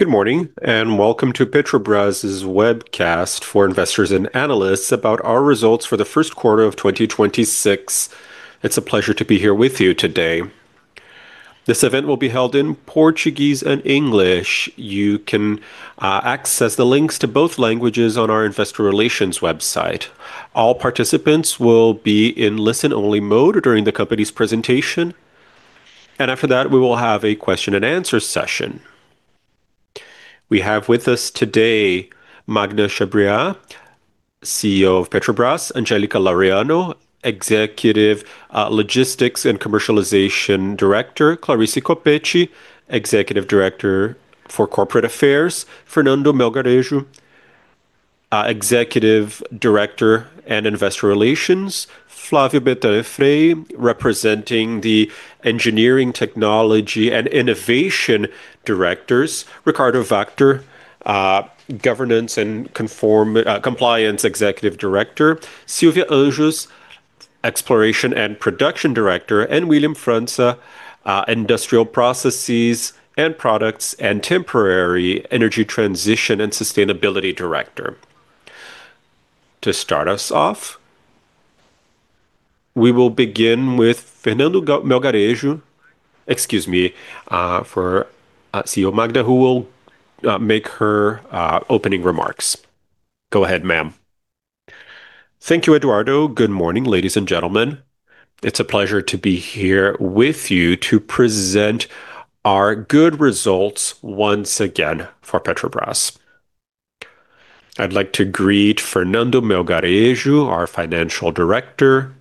Good morning, and welcome to Petrobras' webcast for investors and analysts about our results for the 1st quarter of 2026. It's a pleasure to be here with you today. This event will be held in Portuguese and English. You can access the links to both languages on our investor relations website. All participants will be in listen-only mode during the company's presentation, and after that, we will have a question and answer session. We have with us today Magda Chambriard, CEO of Petrobras, Angélica Laureano, Executive Logistics and Commercialization Director, Clarice Coppetti, Executive Director for Corporate Affairs, Fernando Melgarejo, Executive Director and Investor Relations, Flavio Bretanha, representing the Engineering, Technology, and Innovation Directors, Ricardo Vactor, Governance and Compliance Executive Director, Sylvia Maria Couto dos Anjos, Exploration and Production Director, and William França, Industrial Processes and Products and temporary Energy Transition and Sustainability Director. To start us off, we will begin with Fernando Melgarejo. Excuse me, for CEO Magda, who will make her opening remarks. Go ahead, ma'am. Thank you, Eduardo. Good morning, ladies and gentlemen. It's a pleasure to be here with you to present our good results once again for Petrobras. I'd like to greet Fernando Melgarejo, our financial director.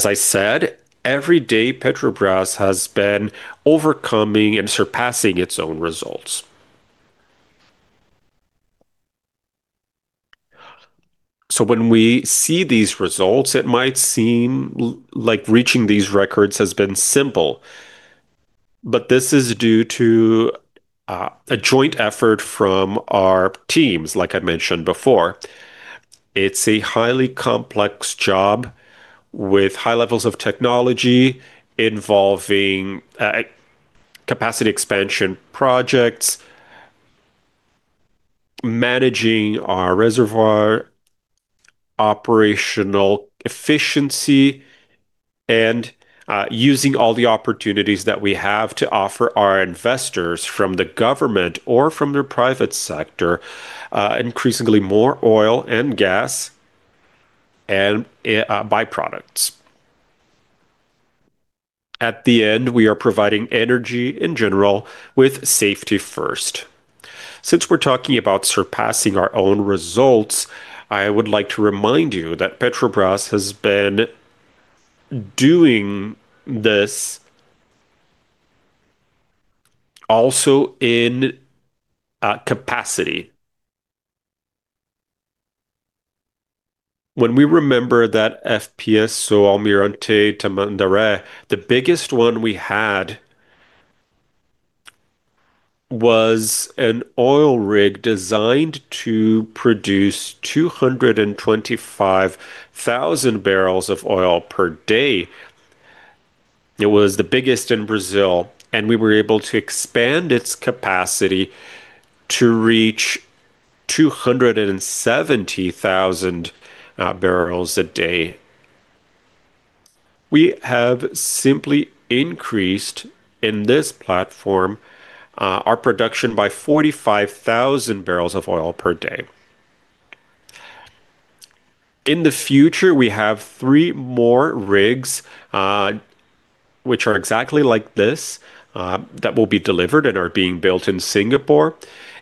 As I said, every day Petrobras has been overcoming and surpassing its own results. When we see these results, it might seem like reaching these records has been simple, but this is due to a joint effort from our teams, like I mentioned before. It's a highly complex job with high levels of technology, involving capacity expansion projects, managing our reservoir operational efficiency, and using all the opportunities that we have to offer our investors from the government or from the private sector, increasingly more oil and gas and byproducts. At the end, we are providing energy in general with safety first. Since we're talking about surpassing our own results, I would like to remind you that Petrobras has been doing this also in capacity. When we remember that FPSO Almirante Tamandaré, the biggest one we had was an oil rig designed to produce 225,000 barrels of oil per day. It was the biggest in Brazil, and we were able to expand its capacity to reach 270,000 barrels a day. We have simply increased in this platform, our production by 45,000 barrels of oil per day. In the future, we have three more rigs, which are exactly like this, that will be delivered and are being built in Singapore,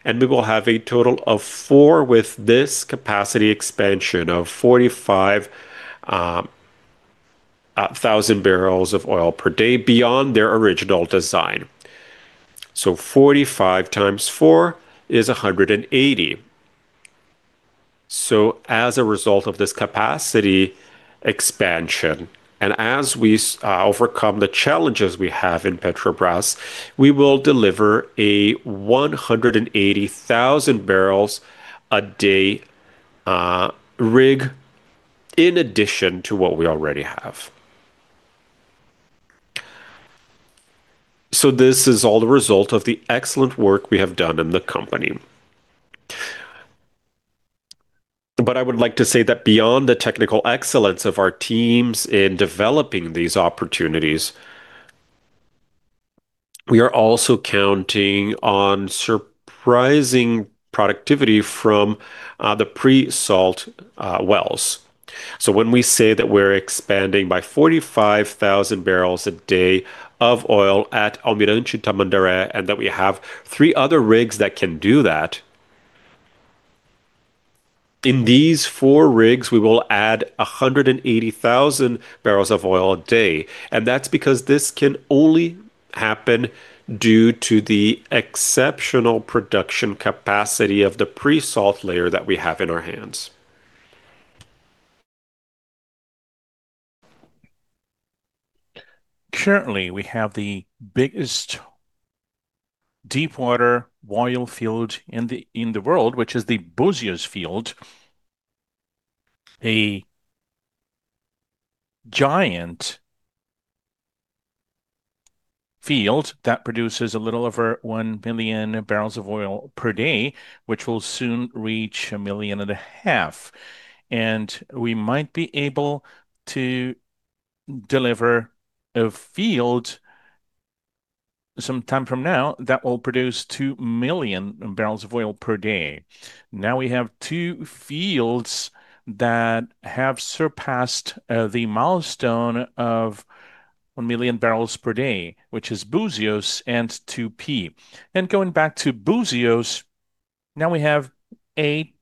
and we will have a total of 4 with this capacity expansion of 45 thousand barrels of oil per day beyond their original design. Forty-five times 4 is 180. As a result of this capacity expansion, and as we overcome the challenges we have in Petrobras, we will deliver a 180,000 barrels a day rig in addition to what we already have. This is all the result of the excellent work we have done in the company. I would like to say that beyond the technical excellence of our teams in developing these opportunities, we are also counting on surprising productivity from the pre-salt wells. When we say that we're expanding by 45,000 barrels a day of oil at Almirante Tamandaré, and that we have 3 other rigs that can do that, in these 4 rigs, we will add 180,000 barrels of oil a day, and that's because this can only happen due to the exceptional production capacity of the pre-salt layer that we have in our hands. Currently, we have the biggest deepwater oil field in the world, which is the Búzios field, a giant field that produces a little over 1 million barrels of oil per day, which will soon reach 1.5 million, and we might be able to deliver a field some time from now that will produce 2 million barrels of oil per day. Now we have two fields that have surpassed the milestone of 1 million barrels per day, which is Búzios and Tupi. Going back to Búzios, now we have 8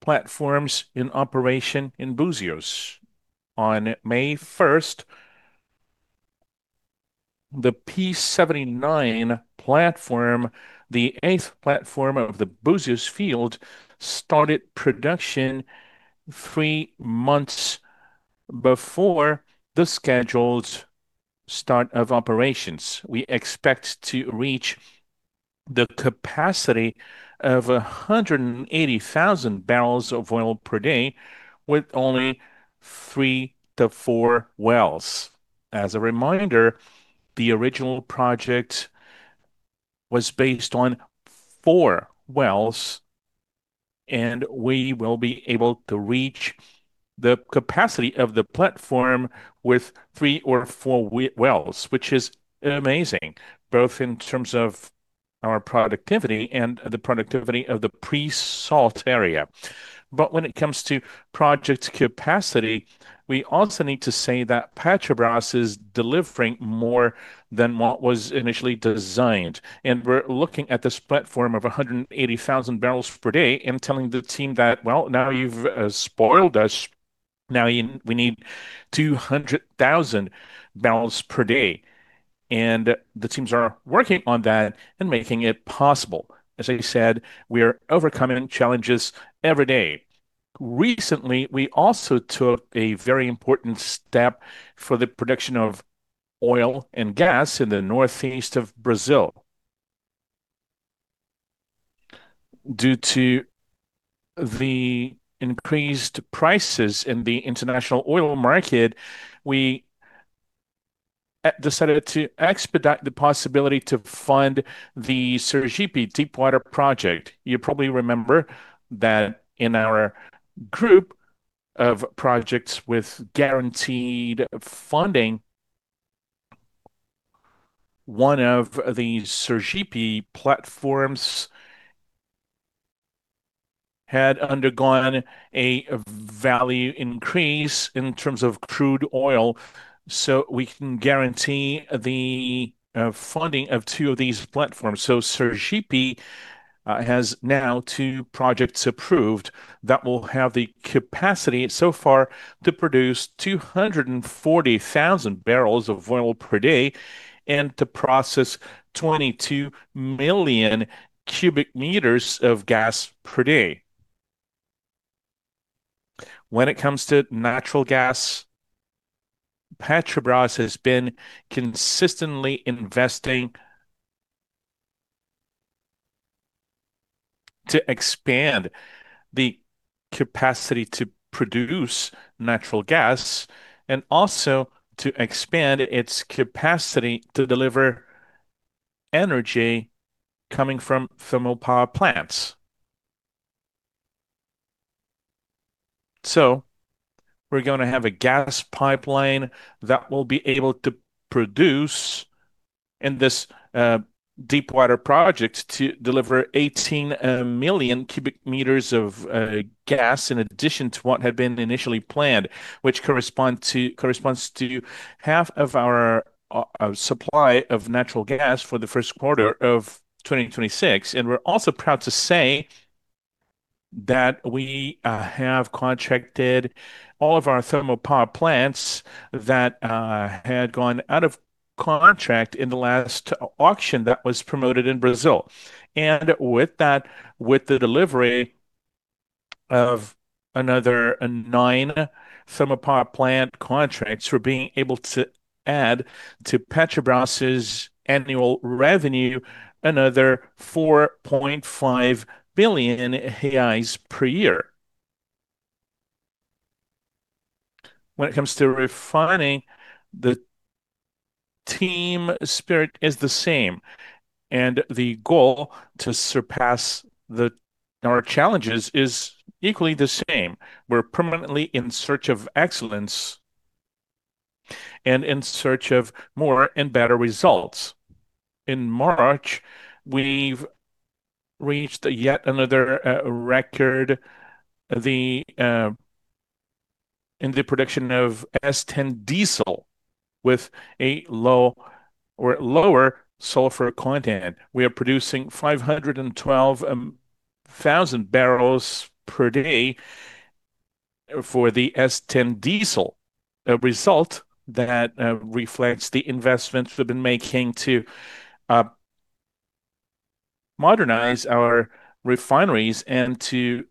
platforms in operation in Búzios. On May 1, the P-79 platform, the 8th platform of the Búzios field, started production 3 months before the scheduled start of operations. We expect to reach the capacity of 180,000 barrels of oil per day with only 3-4 wells. As a reminder, the original project was based on 4 wells, and we will be able to reach the capacity of the platform with 3 or 4 wells, which is amazing, both in terms of our productivity and the productivity of the pre-salt area. When it comes to project capacity, we also need to say that Petrobras is delivering more than what was initially designed, and we're looking at this platform of 180,000 barrels per day and telling the team that, "Well, now you've spoiled us. Now we need 200,000 barrels per day." The teams are working on that and making it possible. As I said, we are overcoming challenges every day. Recently, we also took a very important step for the production of oil and gas in the northeast of Brazil. Due to the increased prices in the international oil market, we decided to expedite the possibility to fund the Sergipe Deepwater Project. You probably remember that in our group of projects with guaranteed funding, one of the SEAP platforms had undergone a value increase in terms of crude oil, so we can guarantee the funding of 2 of these platforms. Sergipe has now 2 projects approved that will have the capacity so far to produce 240,000 barrels of oil per day and to process 22 million cubic meters of gas per day. When it comes to natural gas, Petrobras has been consistently investing to expand the capacity to produce natural gas and also to expand its capacity to deliver energy coming from thermal power plants. We're gonna have a gas pipeline that will be able to produce in this deepwater project to deliver 18 million cubic meters of gas in addition to what had been initially planned, which corresponds to half of our supply of natural gas for the first quarter of 2026. We're also proud to say that we have contracted all of our thermal power plants that had gone out of contract in the last auction that was promoted in Brazil. With that, with the delivery of another nine thermal power plant contracts, we're being able to add to Petrobras' annual revenue another 4.5 billion reais per year. When it comes to refining, the team spirit is the same, and the goal to surpass our challenges is equally the same. We're permanently in search of excellence and in search of more and better results. In March, we've reached yet another record in the production of S10 Diesel with a low or lower sulfur content. We are producing 512 thousand barrels per day for the S10 Diesel, a result that reflects the investments we've been making to modernize our refineries and to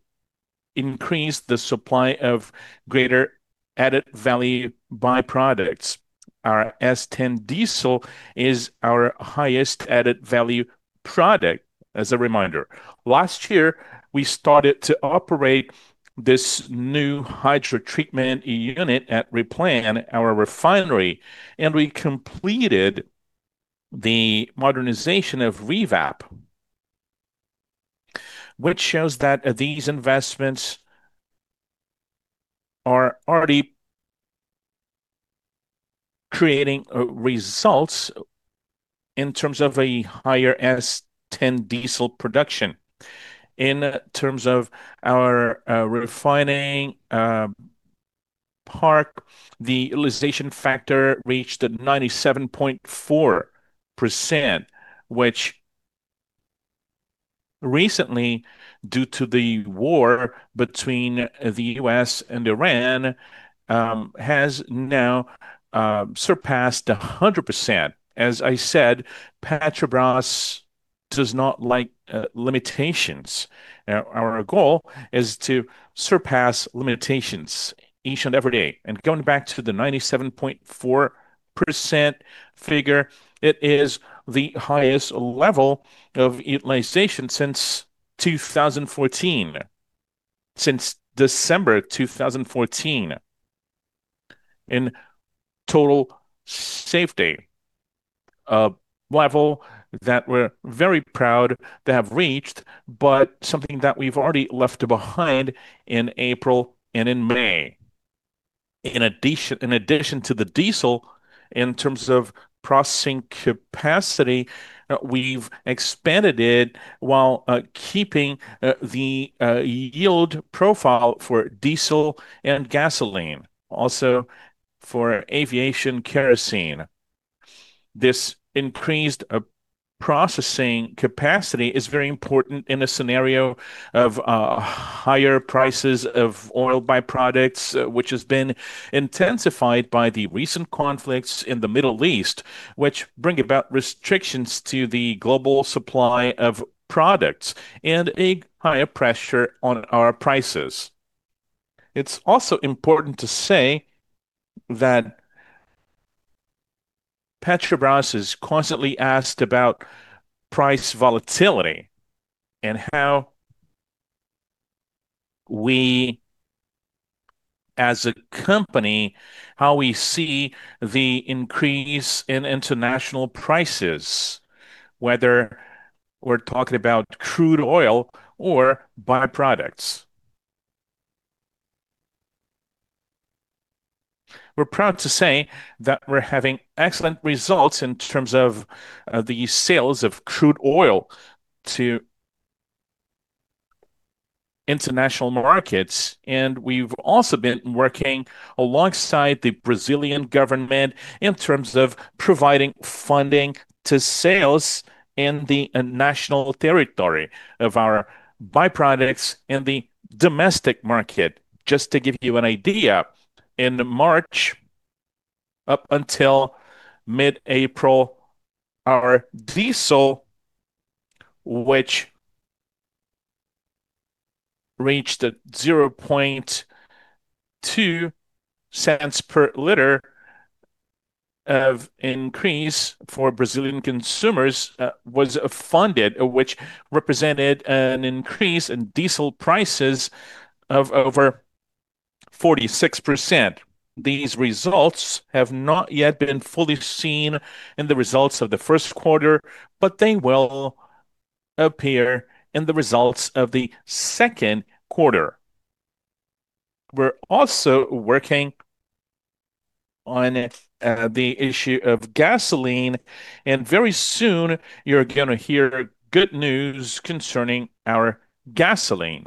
increase the supply of greater added value byproducts. Our S10 Diesel is our highest added value product, as a reminder. Last year, we started to operate this new hydrotreatment unit at REPLAN, our refinery, and we completed the modernization of Revap, which shows that these investments are already creating results in terms of a higher S10 Diesel production. In terms of our refining park, the utilization factor reached at 97.4%, which recently, due to the war between the U.S. and Iran, has now surpassed 100%. As I said, Petrobras does not like limitations. Our goal is to surpass limitations each and every day. Going back to the 97.4% figure, it is the highest level of utilization since 2014. Since December 2014. In total safety, a level that we're very proud to have reached, but something that we've already left behind in April and in May. In addition, in addition to the diesel, in terms of processing capacity, we've expanded it while keeping the yield profile for diesel and gasoline, also for aviation kerosene. This increased processing capacity is very important in a scenario of higher prices of oil byproducts, which has been intensified by the recent conflicts in the Middle East, which bring about restrictions to the global supply of products and a higher pressure on our prices. It's also important to say that Petrobras is constantly asked about price volatility and how we, as a company, how we see the increase in international prices, whether we're talking about crude oil or byproducts. We're proud to say that we're having excellent results in terms of the sales of crude oil to international markets, and we've also been working alongside the Brazilian government in terms of providing funding to sales in the national territory of our byproducts in the domestic market. Just to give you an idea, in March up until mid-April, our diesel, which reached a 0.002 per liter of increase for Brazilian consumers, was funded, which represented an increase in diesel prices of over 46%. These results have not yet been fully seen in the results of the 1st quarter, but they will appear in the results of the 2nd quarter. We're also working on the issue of gasoline, and very soon you're gonna hear good news concerning our gasoline.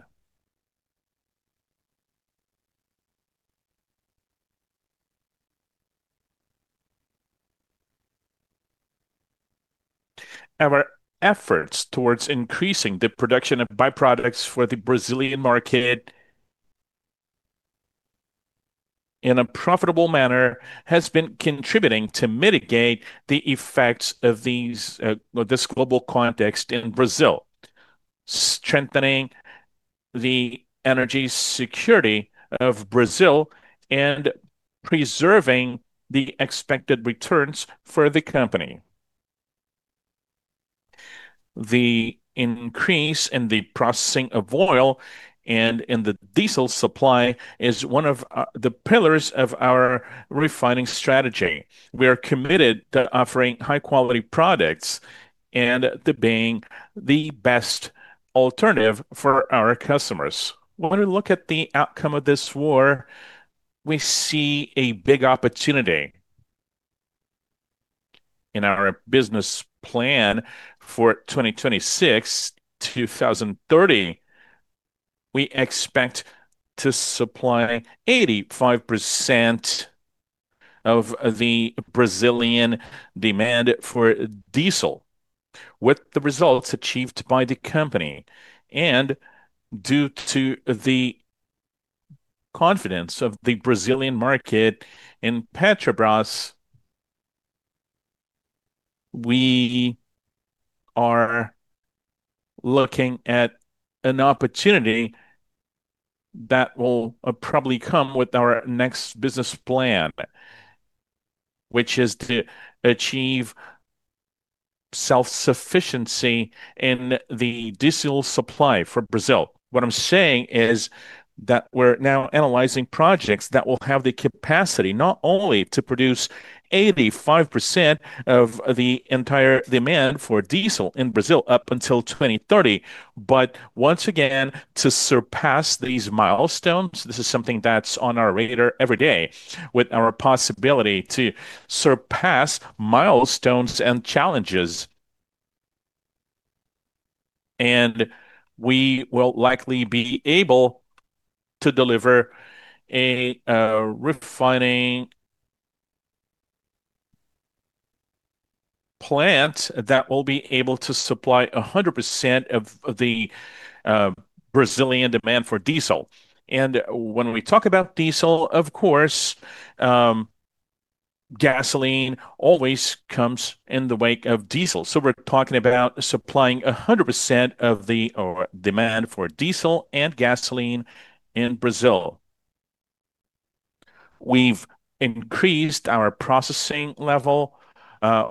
Our efforts towards increasing the production of byproducts for the Brazilian market in a profitable manner has been contributing to mitigate the effects of these, this global context in Brazil, strengthening the energy security of Brazil and preserving the expected returns for the company. The increase in the processing of oil and in the diesel supply is one of the pillars of our refining strategy. We are committed to offering high-quality products and to being the best alternative for our customers. When we look at the outcome of this war, we see a big opportunity. In our business plan for 2026 to 2030, we expect to supply 85% of the Brazilian demand for diesel with the results achieved by the company. Due to the confidence of the Brazilian market in Petrobras, we are looking at an opportunity that will probably come with our next business plan, which is to achieve self-sufficiency in the diesel supply for Brazil. What I'm saying is that we're now analyzing projects that will have the capacity not only to produce 85% of the entire demand for diesel in Brazil up until 2030, but once again, to surpass these milestones. This is something that's on our radar every day with our possibility to surpass milestones and challenges. We will likely be able to deliver a refining plant that will be able to supply 100% of the Brazilian demand for diesel. When we talk about diesel, of course, gasoline always comes in the wake of diesel. We're talking about supplying 100% of the demand for diesel and gasoline in Brazil. We've increased our processing level.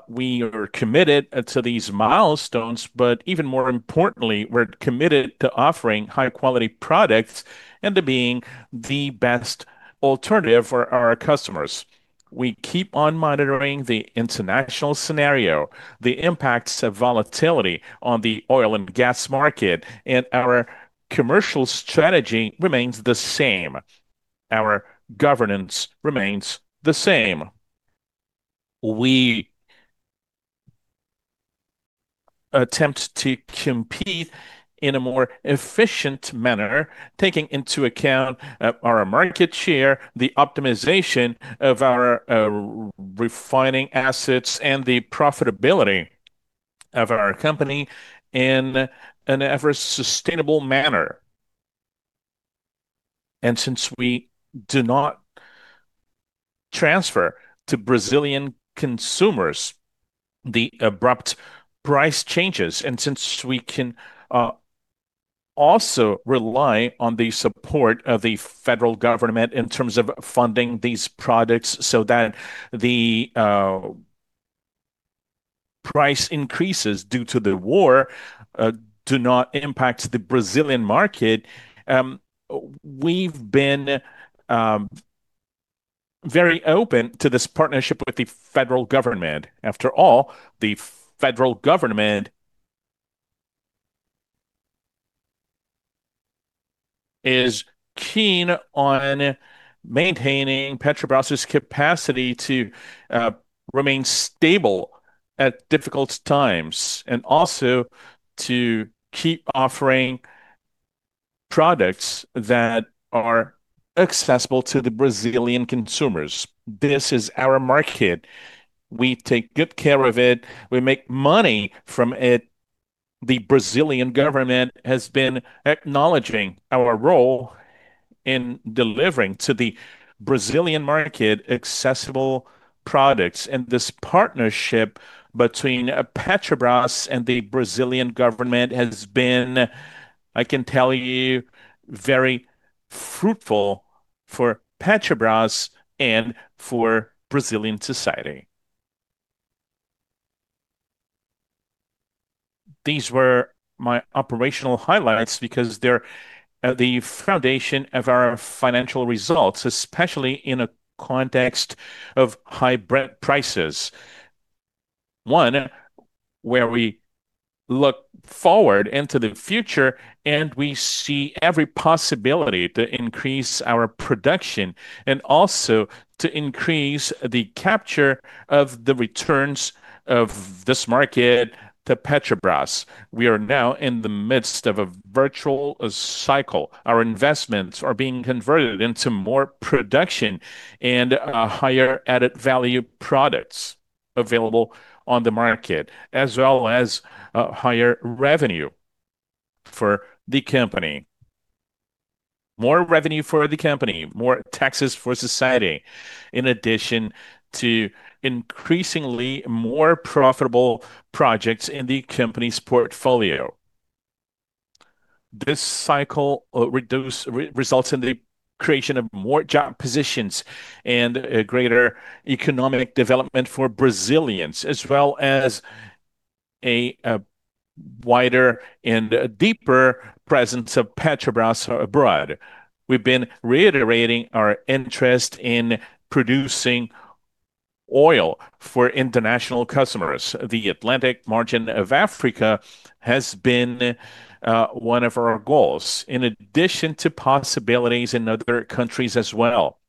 We are committed to these milestones, but even more importantly, we're committed to offering high-quality products and to being the best alternative for our customers. We keep on monitoring the international scenario, the impacts of volatility on the oil and gas market, and our commercial strategy remains the same. Our governance remains the same. We attempt to compete in a more efficient manner, taking into account our market share, the optimization of our refining assets, and the profitability of our company in an ever sustainable manner. Since we do not transfer to Brazilian consumers the abrupt price changes, and since we can also rely on the support of the federal government in terms of funding these products so that the price increases due to the war do not impact the Brazilian market, we've been very open to this partnership with the federal government. After all, the federal government is keen on maintaining Petrobras' capacity to remain stable at difficult times, also to keep offering products that are accessible to the Brazilian consumers. This is our market. We take good care of it. We make money from it. The Brazilian government has been acknowledging our role in delivering to the Brazilian market accessible products. This partnership between Petrobras and the Brazilian government has been, I can tell you, very fruitful for Petrobras and for Brazilian society. These were my operational highlights because they're the foundation of our financial results, especially in a context of high Brent prices. One, where we look forward into the future, we see every possibility to increase our production also to increase the capture of the returns of this market to Petrobras. We are now in the midst of a virtual cycle. Our investments are being converted into more production and higher added-value products available on the market, as well as higher revenue for the company. More revenue for the company, more taxes for society, in addition to increasingly more profitable projects in the company's portfolio. This cycle results in the creation of more job positions and a greater economic development for Brazilians, as well as a wider and a deeper presence of Petrobras abroad. We've been reiterating our interest in producing oil for international customers. The Atlantic margin of Africa has been one of our goals, in addition to possibilities in other countries as well.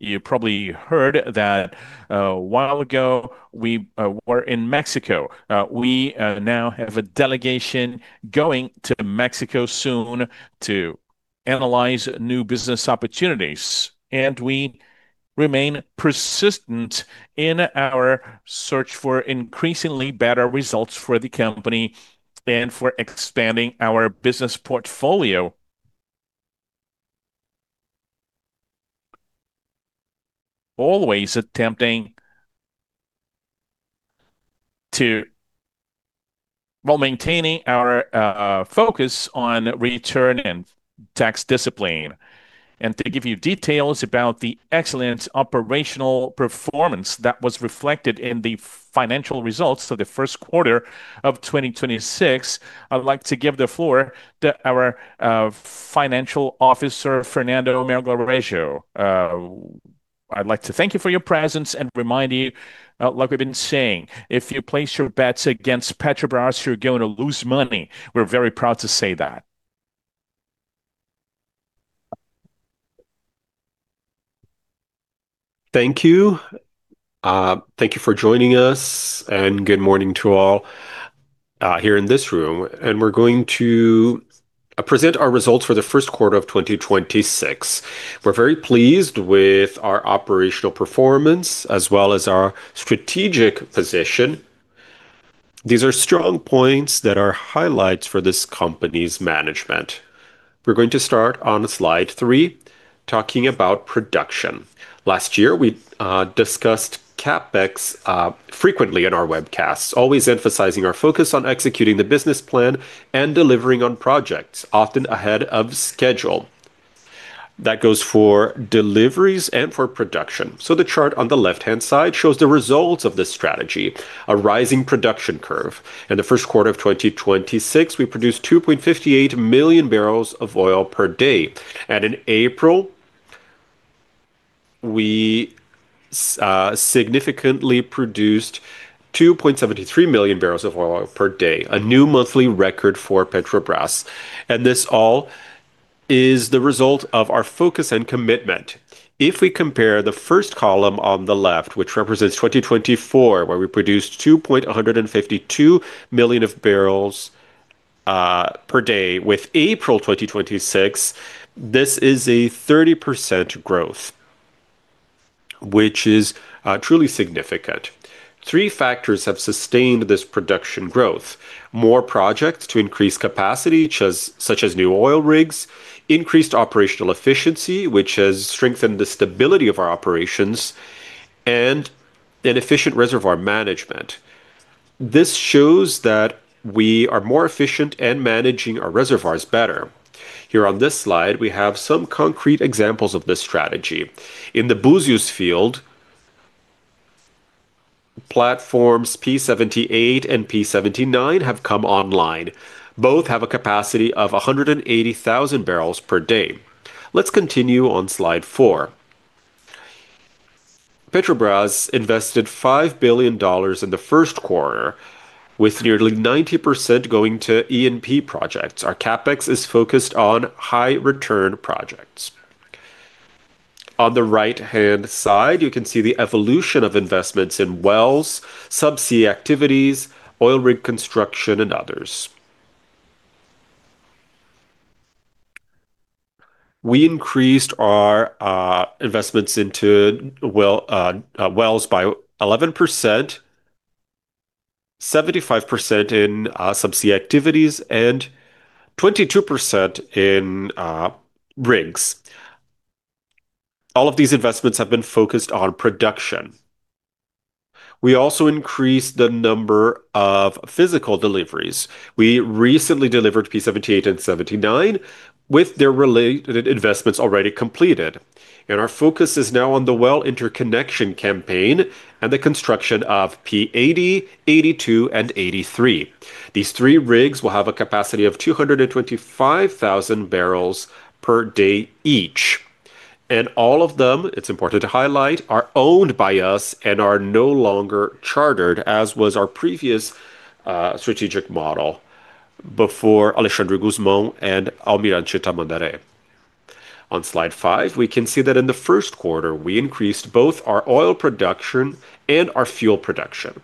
You probably heard that a while ago we were in Mexico. We now have a delegation going to Mexico soon to analyze new business opportunities, and we remain persistent in our search for increasingly better results for the company and for expanding our business portfolio. While maintaining our focus on return and tax discipline. To give you details about the excellent operational performance that was reflected in the financial results of the first quarter of 2026, I would like to give the floor to our Chief Financial Officer, Fernando Melgarejo. I'd like to thank you for your presence and remind you, like we've been saying, if you place your bets against Petrobras, you're going to lose money. We're very proud to say that. Thank you. Thank you for joining us. Good morning to all here in this room. We're going to present our results for the first quarter of 2026. We're very pleased with our operational performance as well as our strategic position. These are strong points that are highlights for this company's management. We're going to start on slide 3, talking about production. Last year, we discussed CapEx frequently in our webcasts, always emphasizing our focus on executing the business plan and delivering on projects, often ahead of schedule. That goes for deliveries and for production. The chart on the left-hand side shows the results of this strategy, a rising production curve. In the first quarter of 2026, we produced 2.58 million barrels of oil per day. In April, we significantly produced 2.73 million barrels of oil per day, a new monthly record for Petrobras. This all is the result of our focus and commitment. If we compare the first column on the left, which represents 2024, where we produced 2.152 million of barrels per day, with April 2026, this is a 30% growth, which is truly significant. Three factors have sustained this production growth. More projects to increase capacity, such as new oil rigs, increased operational efficiency, which has strengthened the stability of our operations, and an efficient reservoir management. This shows that we are more efficient and managing our reservoirs better. Here on this slide, we have some concrete examples of this strategy. In the Búzios field, platforms P-78 and P-79 have come online. Both have a capacity of 180,000 barrels per day. Let's continue on slide 4. Petrobras invested $5 billion in the first quarter, with nearly 90% going to E&P projects. Our CapEx is focused on high-return projects. On the right-hand side, you can see the evolution of investments in wells, subsea activities, oil rig construction, and others. We increased our investments into wells by 11%, 75% in subsea activities, and 22% in rigs. All of these investments have been focused on production. We also increased the number of physical deliveries. We recently delivered P-78 and 79 with their related investments already completed. Our focus is now on the well interconnection campaign and the construction of P-80, 82, and 83. These three rigs will have a capacity of 225,000 barrels per day each, and all of them, it's important to highlight, are owned by us and are no longer chartered, as was our previous strategic model before Alexandre de Gusmão and Almirante Tamandaré. On slide 5, we can see that in the first quarter, we increased both our oil production and our fuel production.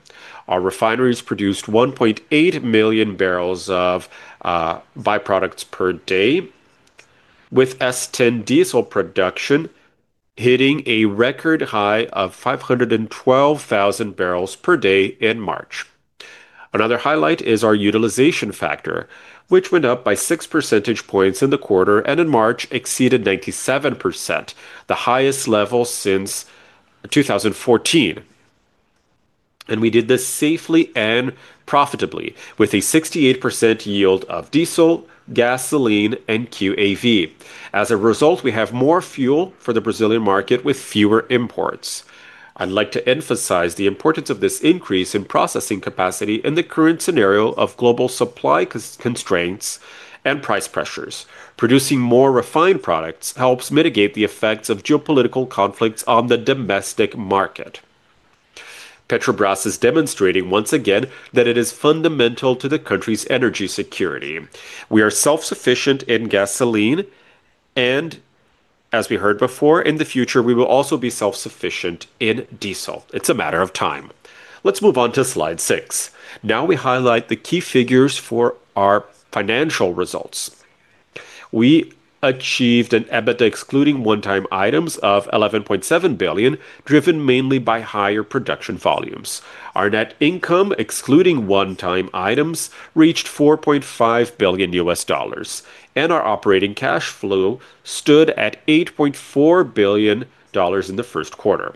Our refineries produced 1.8 million barrels of by-products per day, with S10 Diesel production hitting a record high of 512,000 barrels per day in March. Another highlight is our utilization factor, which went up by six percentage points in the quarter, and in March exceeded 97%, the highest level since 2014. We did this safely and profitably with a 68% yield of diesel, gasoline, and QAV. As a result, we have more fuel for the Brazilian market with fewer imports. I'd like to emphasize the importance of this increase in processing capacity in the current scenario of global supply constraints and price pressures. Producing more refined products helps mitigate the effects of geopolitical conflicts on the domestic market. Petrobras is demonstrating once again that it is fundamental to the country's energy security. We are self-sufficient in gasoline, and as we heard before, in the future, we will also be self-sufficient in diesel. It's a matter of time. Let's move on to slide 6. We highlight the key figures for our financial results. We achieved an EBITDA excluding one-time items of 11.7 billion, driven mainly by higher production volumes. Our net income, excluding one-time items, reached $4.5 billion, and our operating cash flow stood at $8.4 billion in the first quarter.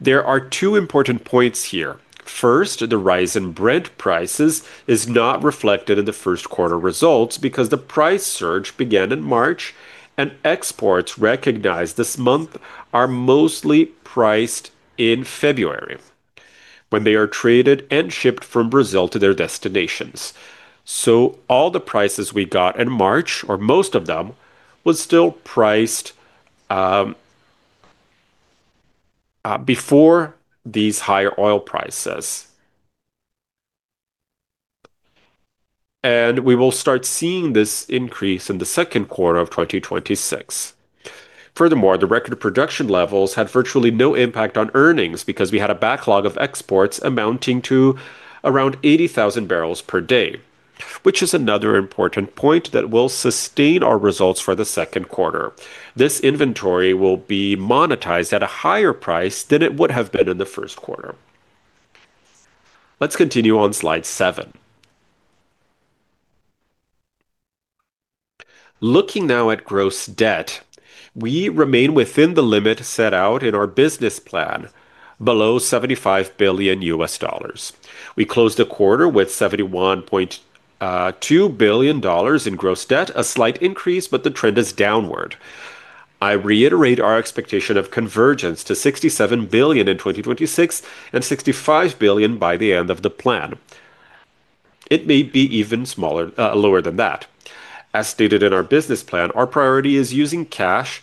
There are two important points here. First, the rise in Brent prices is not reflected in the first quarter results because the price surge began in March. Exports recognized this month are mostly priced in February when they are traded and shipped from Brazil to their destinations. All the prices we got in March, or most of them, was still priced before these higher oil prices. We will start seeing this increase in the second quarter of 2026. Furthermore, the record production levels had virtually no impact on earnings because we had a backlog of exports amounting to around 80,000 barrels per day, which is another important point that will sustain our results for the second quarter. This inventory will be monetized at a higher price than it would have been in the first quarter. Let's continue on slide 7. Looking now at gross debt, we remain within the limit set out in our business plan below $75 billion. We closed the quarter with $71.2 billion in gross debt, a slight increase, but the trend is downward. I reiterate our expectation of convergence to $67 billion in 2026, and $65 billion by the end of the plan. It may be even smaller, lower than that. As stated in our business plan, our priority is using cash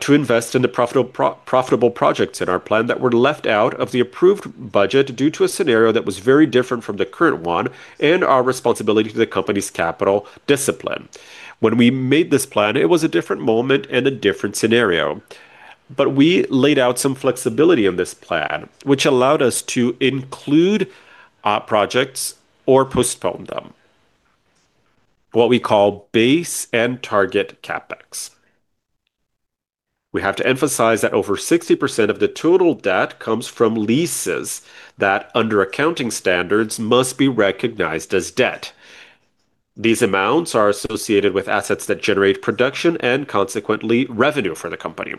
to invest in the profitable projects in our plan that were left out of the approved budget due to a scenario that was very different from the current one and our responsibility to the company's capital discipline. When we made this plan, it was a different moment and a different scenario, but we laid out some flexibility in this plan, which allowed us to include projects or postpone them, what we call base and target CapEx. We have to emphasize that over 60% of the total debt comes from leases that, under accounting standards, must be recognized as debt. These amounts are associated with assets that generate production and consequently revenue for the company.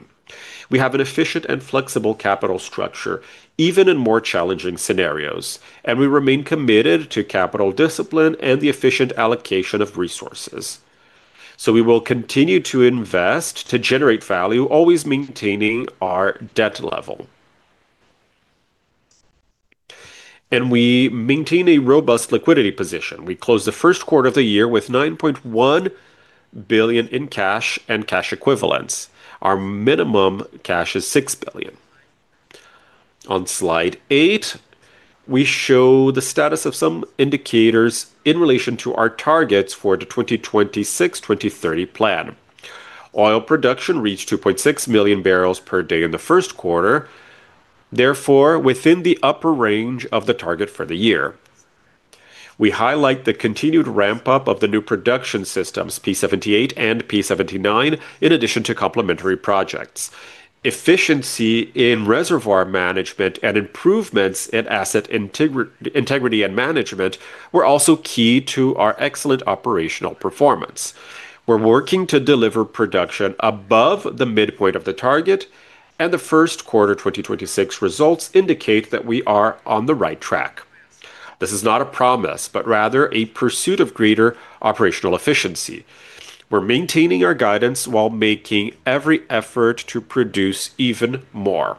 We have an efficient and flexible capital structure, even in more challenging scenarios, and we remain committed to capital discipline and the efficient allocation of resources. We will continue to invest to generate value, always maintaining our debt level. We maintain a robust liquidity position. We closed the first quarter of the year with 9.1 billion in cash and cash equivalents. Our minimum cash is 6 billion. On slide 8, we show the status of some indicators in relation to our targets for the 2026/2030 plan. Oil production reached 2.6 million barrels per day in the first quarter, therefore within the upper range of the target for the year. We highlight the continued ramp-up of the new production systems, P-78 and P-79, in addition to complementary projects. Efficiency in reservoir management and improvements in asset integrity and management were also key to our excellent operational performance. We're working to deliver production above the midpoint of the target, and the first quarter 2026 results indicate that we are on the right track. This is not a promise, but rather a pursuit of greater operational efficiency. We're maintaining our guidance while making every effort to produce even more.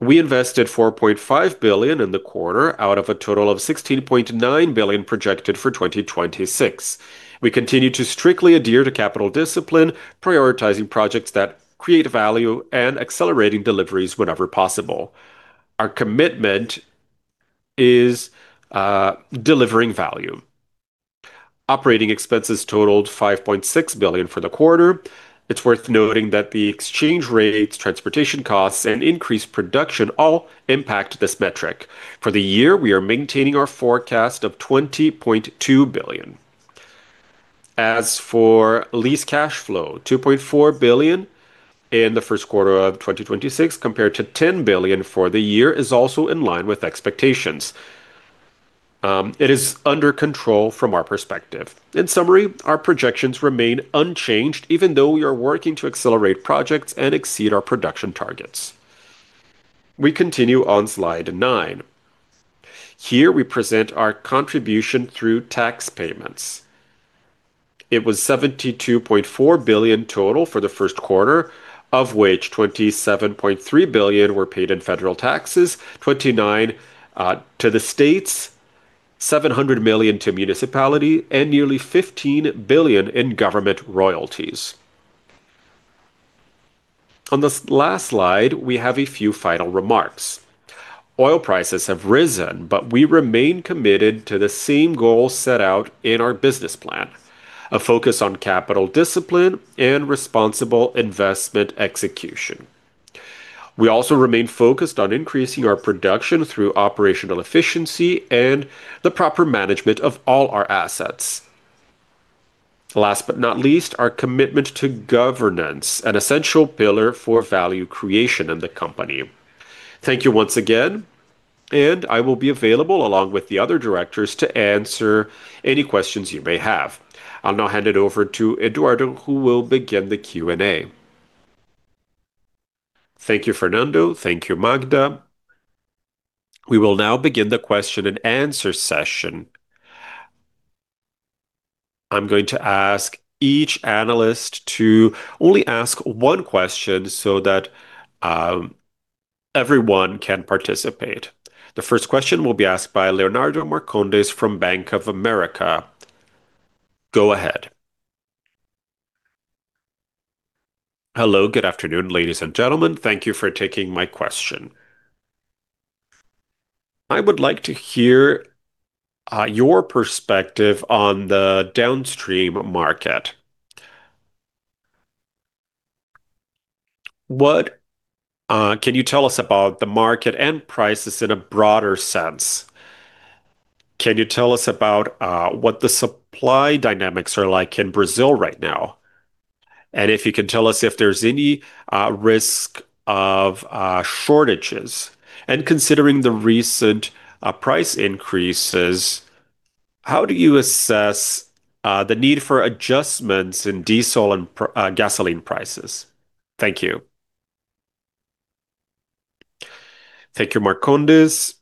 We invested 4.5 billion in the quarter out of a total of 16.9 billion projected for 2026. We continue to strictly adhere to capital discipline, prioritizing projects that create value and accelerating deliveries whenever possible. Our commitment is delivering value. Operating expenses totaled 5.6 billion for the quarter. It's worth noting that the exchange rates, transportation costs, and increased production all impact this metric. For the year, we are maintaining our forecast of 20.2 billion. As for lease cash flow, 2.4 billion in the first quarter of 2026 compared to 10 billion for the year is also in line with expectations. It is under control from our perspective. In summary, our projections remain unchanged even though we are working to accelerate projects and exceed our production targets. We continue on slide 9. Here we present our contribution through tax payments. It was BRL 72.4 billion total for the first quarter, of which BRL 27.3 billion were paid in federal taxes, BRL 29 billion to the states, BRL 700 million to municipality, and nearly BRL 15 billion in government royalties. On this last slide, we have a few final remarks. Oil prices have risen, but we remain committed to the same goals set out in our business plan, a focus on capital discipline and responsible investment execution. We also remain focused on increasing our production through operational efficiency and the proper management of all our assets. Last but not least, our commitment to governance, an essential pillar for value creation in the company. Thank you once again, and I will be available along with the other directors to answer any questions you may have. I'll now hand it over to Eduardo, who will begin the Q&A. Thank you, Fernando. Thank you, Magda. We will now begin the question and answer session. I'm going to ask each analyst to only ask one question so that everyone can participate. The first question will be asked by Leonardo Marcondes from Bank of America. Go ahead. Hello. Good afternoon, ladies and gentlemen. Thank you for taking my question. I would like to hear your perspective on the downstream market. What can you tell us about the market and prices in a broader sense? Can you tell us about what the supply dynamics are like in Brazil right now? If you can tell us if there's any risk of shortages. Considering the recent price increases, how do you assess the need for adjustments in diesel and gasoline prices? Thank you. Thank you, Marcondes.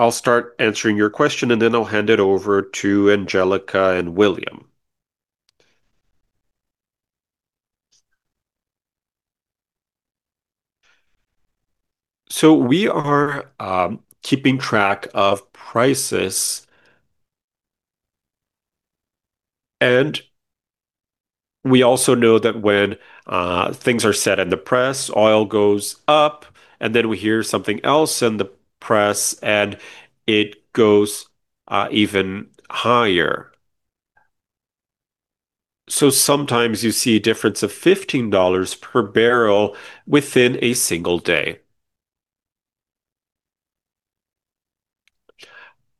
I'll start answering your question, and then I'll hand it over to Angélica and William. We are keeping track of prices, and we also know that when things are said in the press, oil goes up, and then we hear something else in the press, and it goes even higher. Sometimes you see a difference of BRL 15 per barrel within a single day.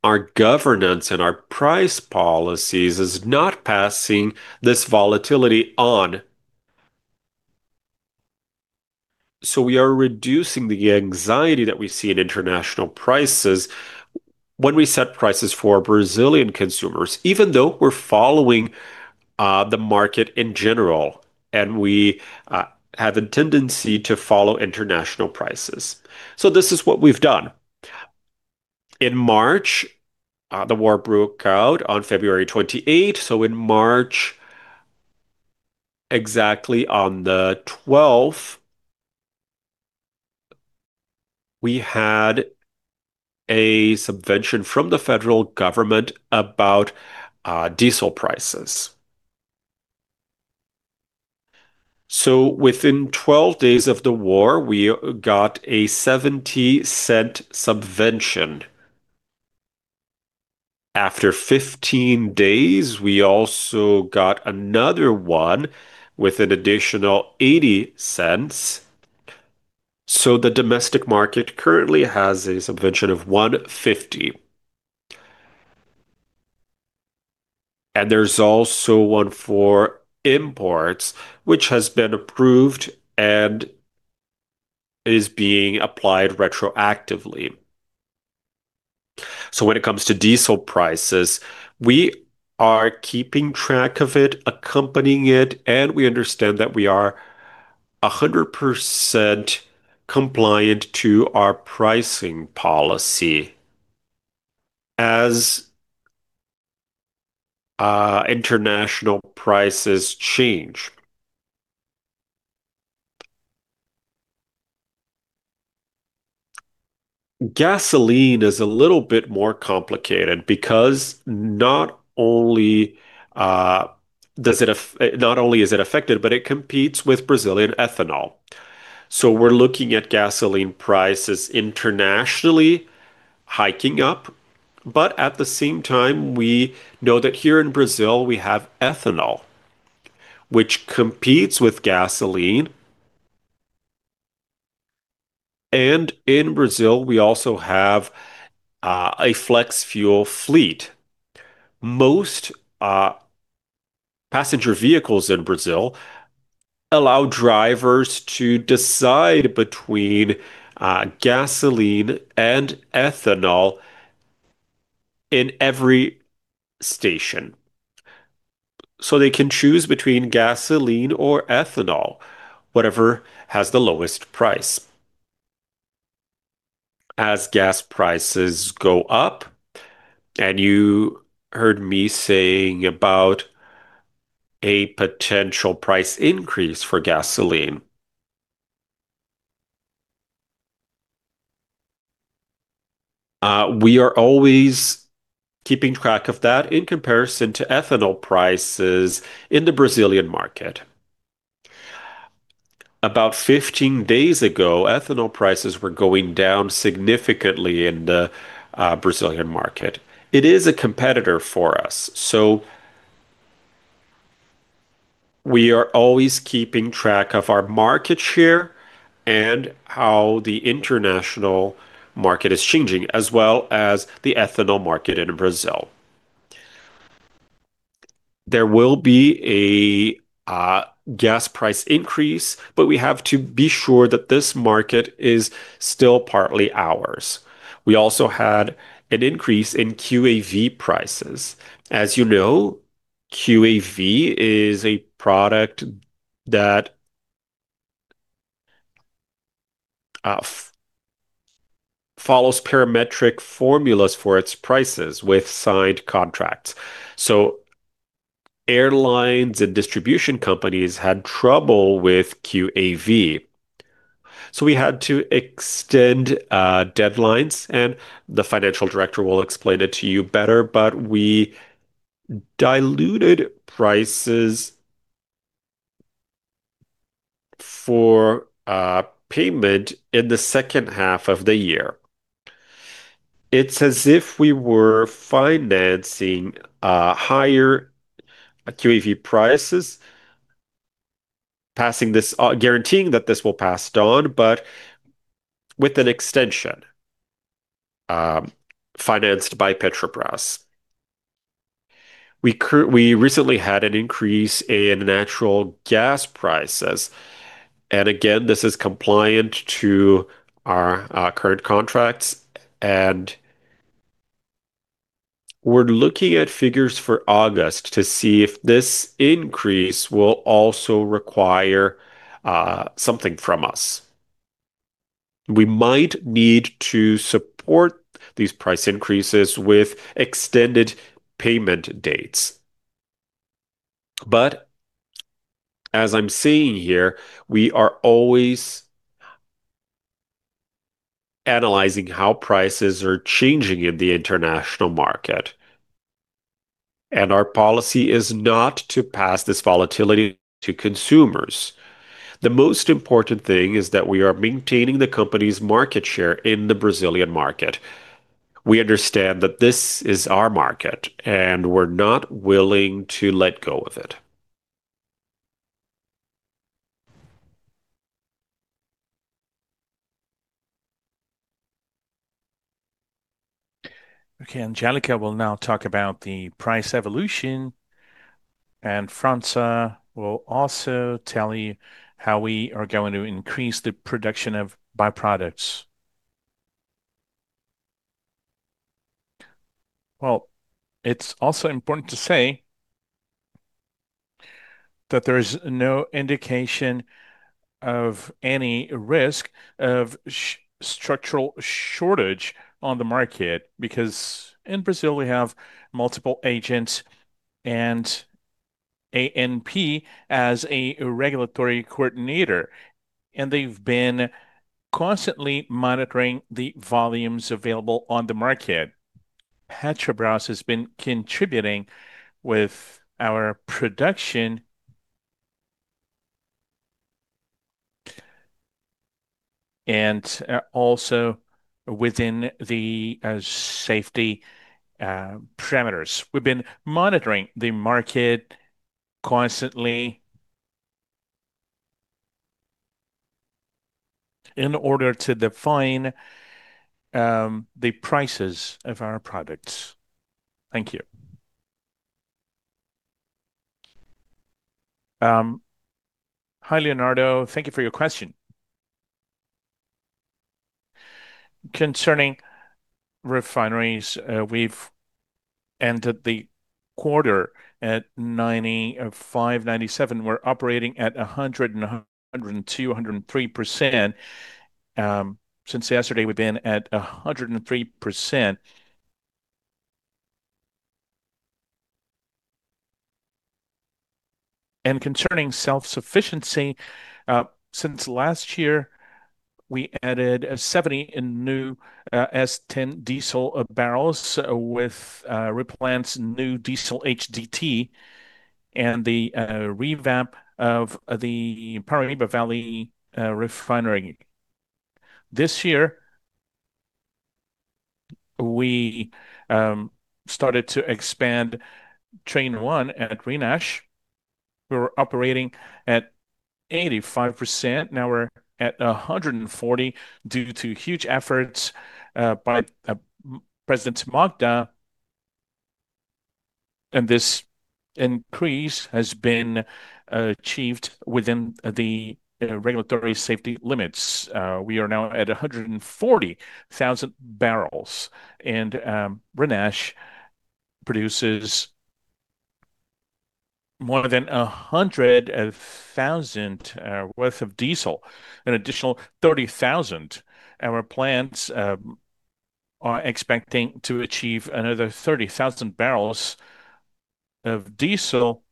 Our governance and price policy are not passing this volatility on. We are reducing the anxiety that we see in international prices when we set prices for Brazilian consumers, even though we're following the market in general, and we have a tendency to follow international prices. This is what we've done. In March, the war broke out on February 28. In March, exactly on the 12th, we had a subsidy from the federal government about diesel prices. Within 12 days of the war, we got a 0.70 subsidy. After 15 days, we also got another one with an additional 0.80. The domestic market currently has a subsidy of 1.50. There's also one for imports, which has been approved and is being applied retroactively. When it comes to diesel prices, we are keeping track of it, accompanying it, and we understand that we are 100% compliant to our pricing policy as international prices change. Gasoline is a little bit more complicated because not only is it affected, but it competes with Brazilian ethanol. We're looking at gasoline prices internationally hiking up, but at the same time, we know that here in Brazil, we have ethanol, which competes with gasoline. In Brazil, we also have a flex-fuel fleet. Most passenger vehicles in Brazil allow drivers to decide between gasoline and ethanol in every station. They can choose between gasoline or ethanol, whatever has the lowest price. As gas prices go up, and you heard me saying about a potential price increase for gasoline. We are always keeping track of that in comparison to ethanol prices in the Brazilian market. About 15 days ago, ethanol prices were going down significantly in the Brazilian market. It is a competitor for us, so we are always keeping track of our market share and how the international market is changing, as well as the ethanol market in Brazil. There will be a gas price increase, but we have to be sure that this market is still partly ours. We also had an increase in QAV prices. As you know, QAV is a product that follows parametric formulas for its prices with signed contracts. Airlines and distribution companies had trouble with QAV. We had to extend deadlines, the financial director will explain it to you better, we diluted prices for payment in the second half of the year. It's as if we were financing higher QAV prices, guaranteeing that this will pass on with an extension financed by Petrobras. We recently had an increase in natural gas prices. Again, this is compliant to our current contracts, we're looking at figures for August to see if this increase will also require something from us. We might need to support these price increases with extended payment dates. As I'm saying here, we are always analyzing how prices are changing in the international market, our policy is not to pass this volatility to consumers. The most important thing is that we are maintaining the company's market share in the Brazilian market. We understand that this is our market, and we're not willing to let go of it. Okay. Angélica will now talk about the price evolution. França will also tell you how we are going to increase the production of byproducts. It's also important to say that there is no indication of any risk of structural shortage on the market because in Brazil we have multiple agents and ANP as a regulatory coordinator. They've been constantly monitoring the volumes available on the market. Petrobras has been contributing with our production and also within the safety parameters. We've been monitoring the market constantly in order to define the prices of our products. Thank you. Hi, Leonardo. Thank you for your question. Concerning refineries, we've ended the quarter at 95, 97. We're operating at 100 and 102, 103%. Since yesterday we've been at 103%. Concerning self-sufficiency, since last year, we added 70 in new S10 Diesel barrels with REPLAN new diesel HDT and the revamp of the Paraíba Valley Refinery. This year we started to expand train 1 at RNEST. We were operating at 85%, now we're at 140 due to huge efforts by President Magda. This increase has been achieved within the regulatory safety limits. We are now at 140,000 barrels, and RNEST produces more than 100,000 worth of diesel, an additional 30,000. Our plants are expecting to achieve another 30,000 barrels of diesel,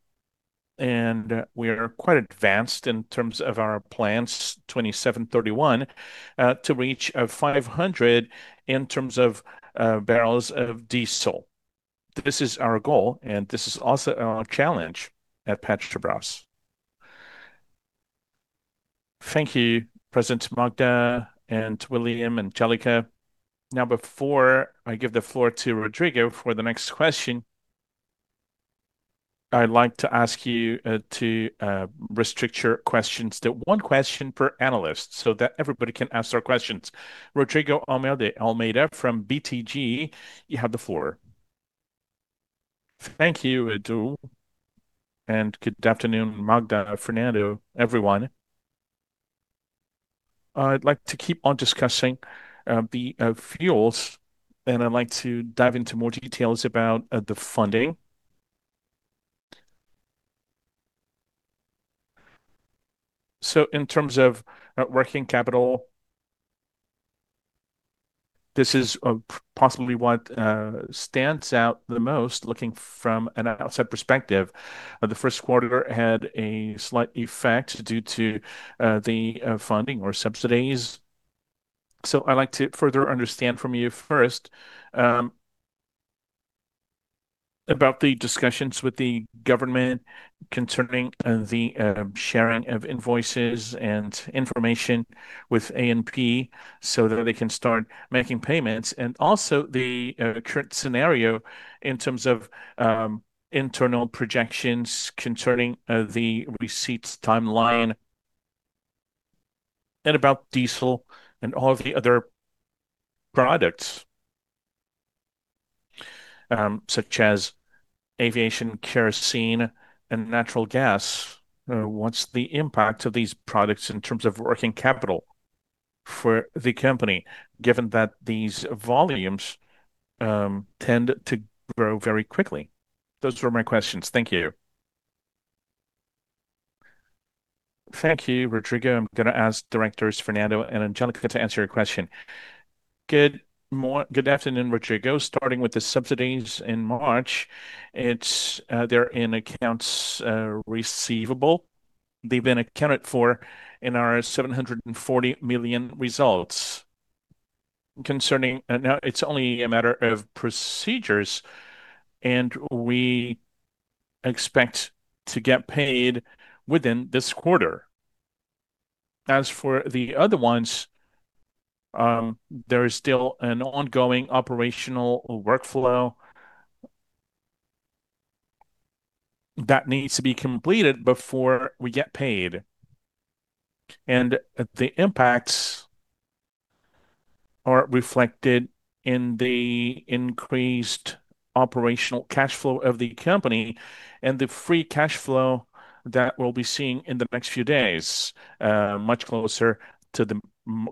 and we are quite advanced in terms of our plants, 27, 31, to reach 500 in terms of barrels of diesel. This is our goal, and this is also our challenge at Petrobras. Thank you, President Magda and William, Angélica. Now, before I give the floor to Rodrigo for the next question, I'd like to ask you to restrict your questions to 1 question per analyst, so that everybody can ask their questions. Rodrigo Almeida from BTG, you have the floor. Thank you, Edu, and good afternoon, Magda, Fernando, everyone. I'd like to keep on discussing the fuels, and I'd like to dive into more details about the funding. In terms of working capital, this is possibly what stands out the most looking from an outside perspective. The first quarter had a slight effect due to the funding or subsidies. I'd like to further understand from you first, about the discussions with the government concerning the sharing of invoices and information with ANP so that they can start making payments. Also the current scenario in terms of internal projections concerning the receipts timeline and about diesel and all the other products, such as aviation kerosene and natural gas. What's the impact of these products in terms of working capital for the company, given that these volumes tend to grow very quickly? Those were my questions. Thank you. Thank you, Rodrigo. I'm gonna ask Directors Fernando and Angélica to answer your question. Good afternoon, Rodrigo. Starting with the subsidies in March, it's they're in accounts receivable. They've been accounted for in our 740 million results. Now it's only a matter of procedures, and we expect to get paid within this quarter. As for the other ones, there is still an ongoing operational workflow that needs to be completed before we get paid. The impacts are reflected in the increased operational cash flow of the company and the free cash flow that we'll be seeing in the next few days, much closer to the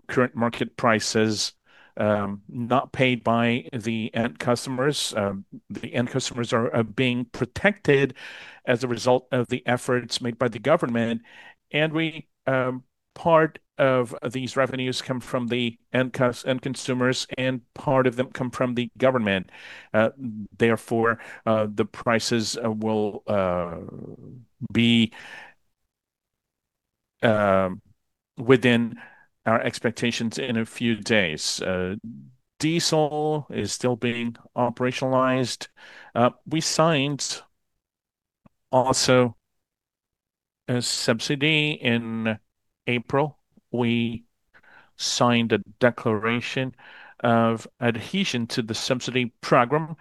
current market prices, not paid by the end customers. The end customers are being protected as a result of the efforts made by the government. Part of these revenues come from the end consumers, and part of them come from the government. Therefore, the prices will be within our expectations in a few days. Diesel is still being operationalized. We signed also a subsidy in April. We signed a declaration of adhesion to the subsidy program.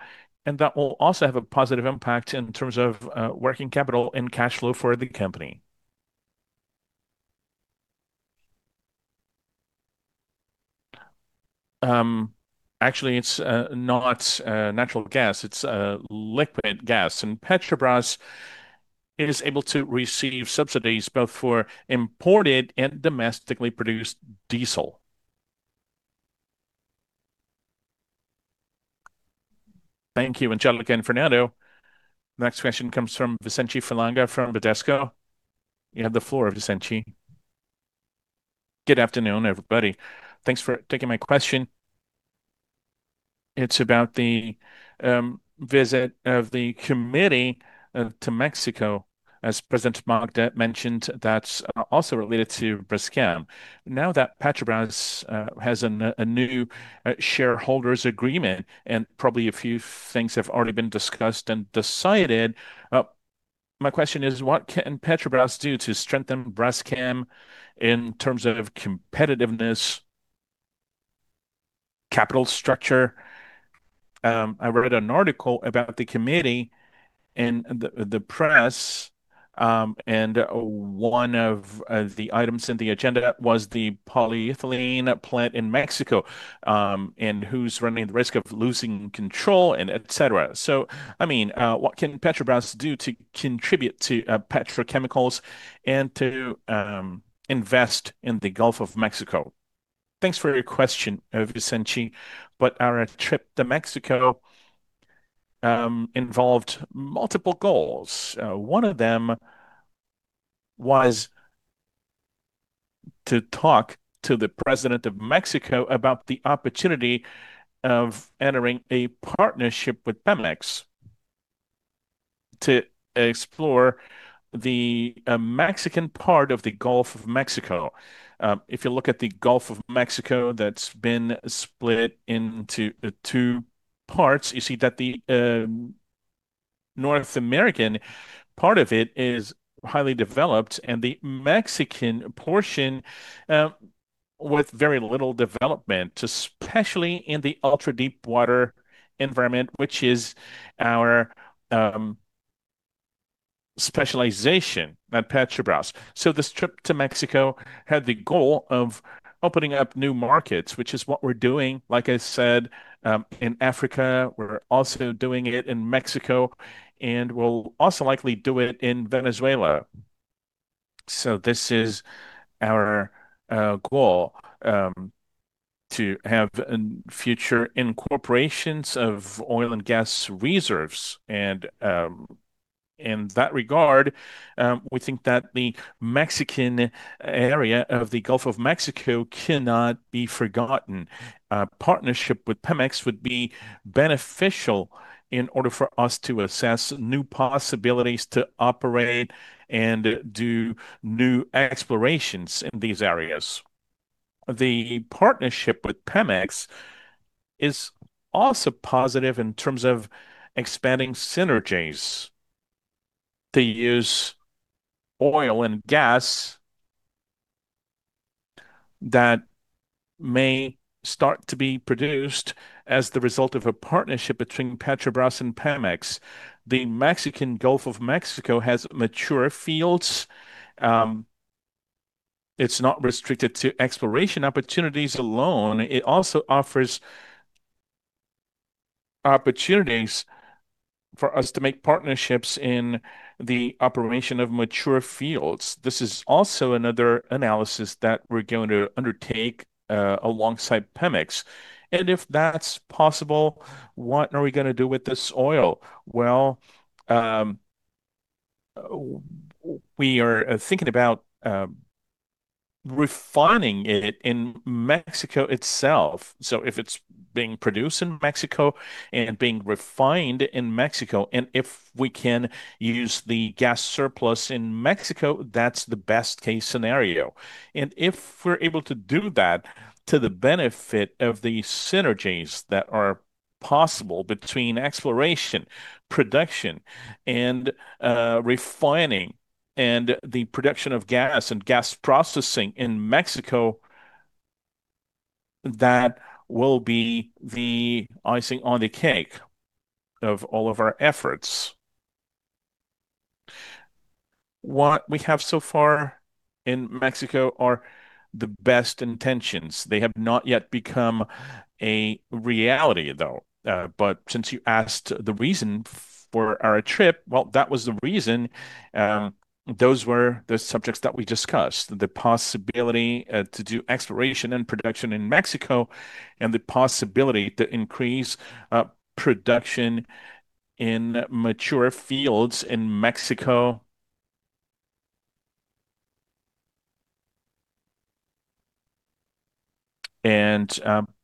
That will also have a positive impact in terms of working capital and cash flow for the company. Actually, it's not natural gas. It's liquid gas, and Petrobras is able to receive subsidies both for imported and domestically produced diesel. Thank you, Angélica and Fernando. Next question comes from Vicente Falanga Neto from Bradesco BBI. You have the floor, Vicente. Good afternoon, everybody. Thanks for taking my question. It's about the visit of the committee to Mexico. As President Magda mentioned, that's also related to Braskem. Now that Petrobras has a new shareholders agreement and probably a few things have already been discussed and decided, my question is, what can Petrobras do to strengthen Braskem in terms of competitiveness, capital structure? I read an article about the committee in the press, and one of the items in the agenda was the polyethylene plant in Mexico, and who's running the risk of losing control and et cetera. I mean, what can Petrobras do to contribute to petrochemicals and to invest in the Gulf of Mexico? Thanks for your question, Vicente. Our trip to Mexico involved multiple goals. One of them was to talk to the president of Mexico about the opportunity of entering a partnership with Pemex to explore the Mexican part of the Gulf of Mexico. If you look at the Gulf of Mexico that's been split into two parts, you see that the North American part of it is highly developed and the Mexican portion with very little development, especially in the ultra-deep water environment, which is our specialization at Petrobras. This trip to Mexico had the goal of opening up new markets, which is what we're doing, like I said, in Africa. We're also doing it in Mexico, and we'll also likely do it in Venezuela. This is our goal to have an future incorporations of oil and gas reserves. In that regard, we think that the Mexican area of the Gulf of Mexico cannot be forgotten. A partnership with Pemex would be beneficial in order for us to assess new possibilities to operate and do new explorations in these areas. The partnership with Pemex is also positive in terms of expanding synergies to use oil and gas that may start to be produced as the result of a partnership between Petrobras and Pemex. The Mexican Gulf of Mexico has mature fields. It's not restricted to exploration opportunities alone. It also offers opportunities for us to make partnerships in the operation of mature fields. This is also another analysis that we're going to undertake alongside Pemex. If that's possible, what are we gonna do with this oil? Well, we are thinking about refining it in Mexico itself. If it's being produced in Mexico and being refined in Mexico, and if we can use the gas surplus in Mexico, that's the best-case scenario. If we're able to do that to the benefit of the synergies that are possible between exploration, production, and refining and the production of gas and gas processing in Mexico, that will be the icing on the cake of all of our efforts. What we have so far in Mexico are the best intentions. They have not yet become a reality though. Since you asked the reason for our trip, well, that was the reason. Those were the subjects that we discussed, the possibility to do exploration and production in Mexico, and the possibility to increase production in mature fields in Mexico.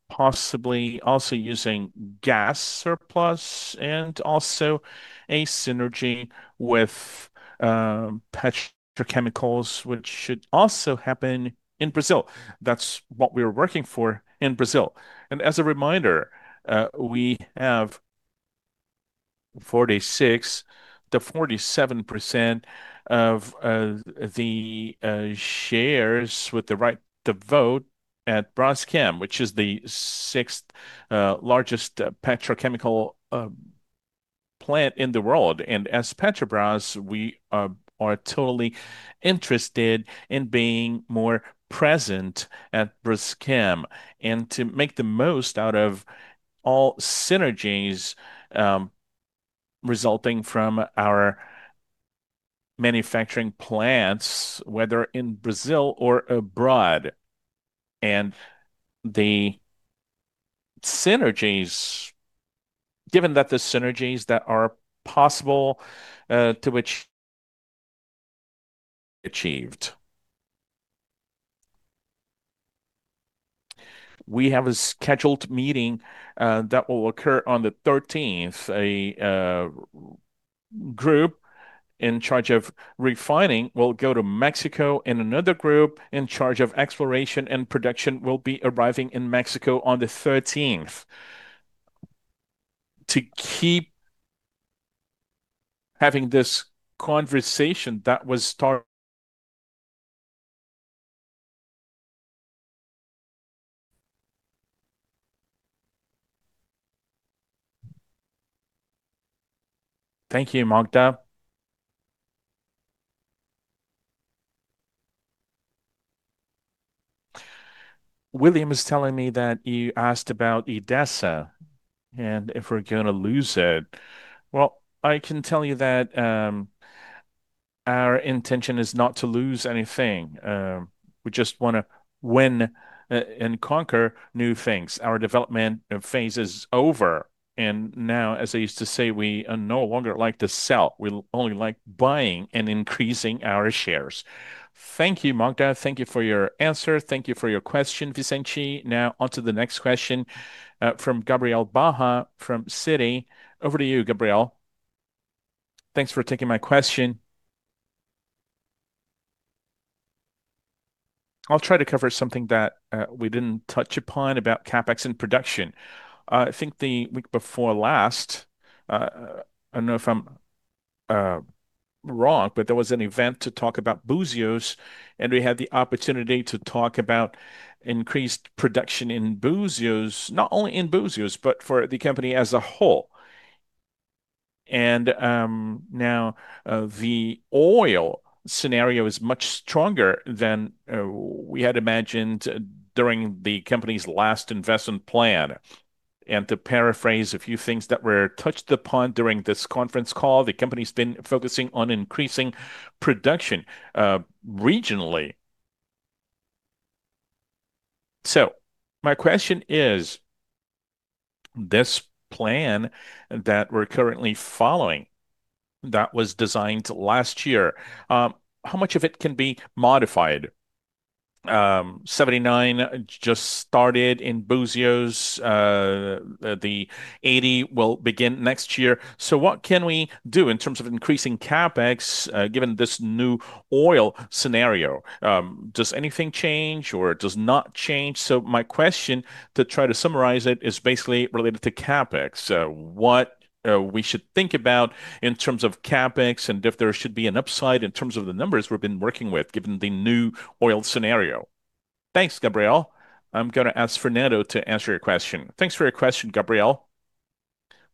Possibly also using gas surplus and also a synergy with petrochemicals, which should also happen in Brazil. That's what we're working for in Brazil. As a reminder, we have 46%-47% of the shares with the right to vote at Braskem, which is the sixth largest petrochemical plant in the world. As Petrobras, we are totally interested in being more present at Braskem and to make the most out of all synergies resulting from our manufacturing plants, whether in Brazil or abroad. The synergies, given that the synergies that are possible, to which achieved. We have a scheduled meeting that will occur on the thirteenth. A group in charge of refining will go to Mexico, and another group in charge of exploration and production will be arriving in Mexico on the thirteenth to keep having this conversation that was. Thank you, Magda. William is telling me that you asked about Odessa, if we're gonna lose it? Well, I can tell you that our intention is not to lose anything. We just wanna win and conquer new things. Our development phase is over. Now, as I used to say, we no longer like to sell. We only like buying and increasing our shares. Thank you, Magda. Thank you for your answer. Thank you for your question, Vicente. Now on to the next question from Gabriel Coelho Barra from Citi. Over to you, Gabriel. Thanks for taking my question. I'll try to cover something that we didn't touch upon about CapEx and production. I think the week before last, I don't know if I'm wrong, but there was an event to talk about Búzios. We had the opportunity to talk about increased production in Búzios, not only in Búzios, but for the company as a whole. Now, the oil scenario is much stronger than we had imagined during the company's last investment plan. To paraphrase a few things that were touched upon during this conference call, the company's been focusing on increasing production regionally. My question is, this plan that we're currently following that was designed last year, how much of it can be modified? 79 just started in Búzios. The 80 will begin next year. What can we do in terms of increasing CapEx given this new oil scenario? Does anything change or does it not change? My question, to try to summarize it, is basically related to CapEx. What we should think about in terms of CapEx and if there should be an upside in terms of the numbers we've been working with given the new oil scenario. Thanks, Gabriel. I'm going to ask Fernando to answer your question. Thanks for your question, Gabriel.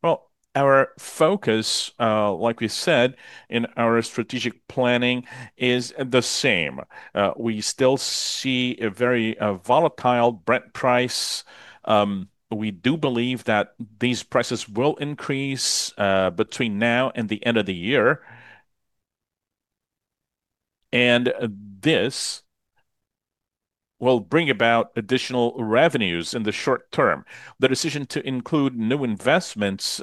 Well, our focus, like we said, in our strategic planning is the same. We still see a very volatile Brent price. We do believe that these prices will increase between now and the end of the year. This will bring about additional revenues in the short term. The decision to include new investments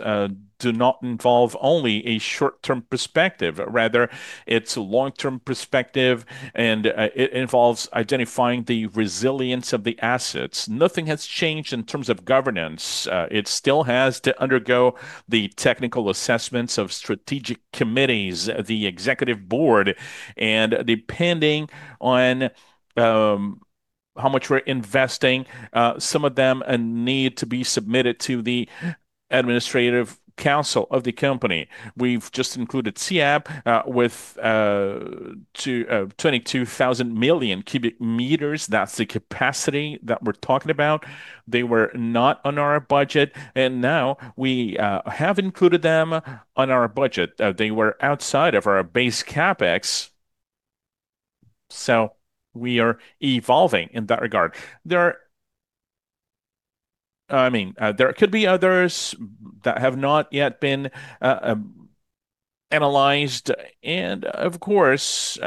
do not involve only a short-term perspective. Rather, it's a long-term perspective, and it involves identifying the resilience of the assets. Nothing has changed in terms of governance. It still has to undergo the technical assessments of strategic committees, the Executive Board. Depending on how much we're investing, some of them need to be submitted to the Administrative Council of the company. We've just included SEAP with 22,000 million cubic meters. That's the capacity that we're talking about. They were not on our budget, and now we have included them on our budget. They were outside of our base CapEx, so we are evolving in that regard. There I mean, there could be others that have not yet been. Analyzed, of course,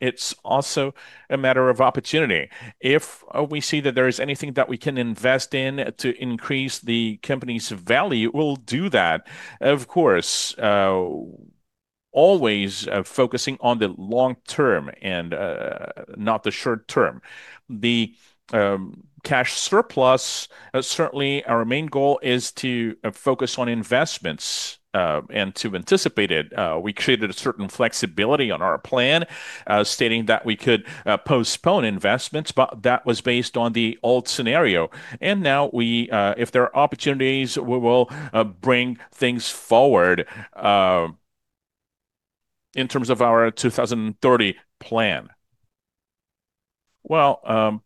it's also a matter of opportunity. If we see that there is anything that we can invest in to increase the company's value, we'll do that. Of course, always focusing on the long term and not the short term. The cash surplus, certainly our main goal is to focus on investments. To anticipate it, we created a certain flexibility on our plan, stating that we could postpone investments, but that was based on the old scenario. Now we, if there are opportunities, we will bring things forward in terms of our 2030 plan. Well,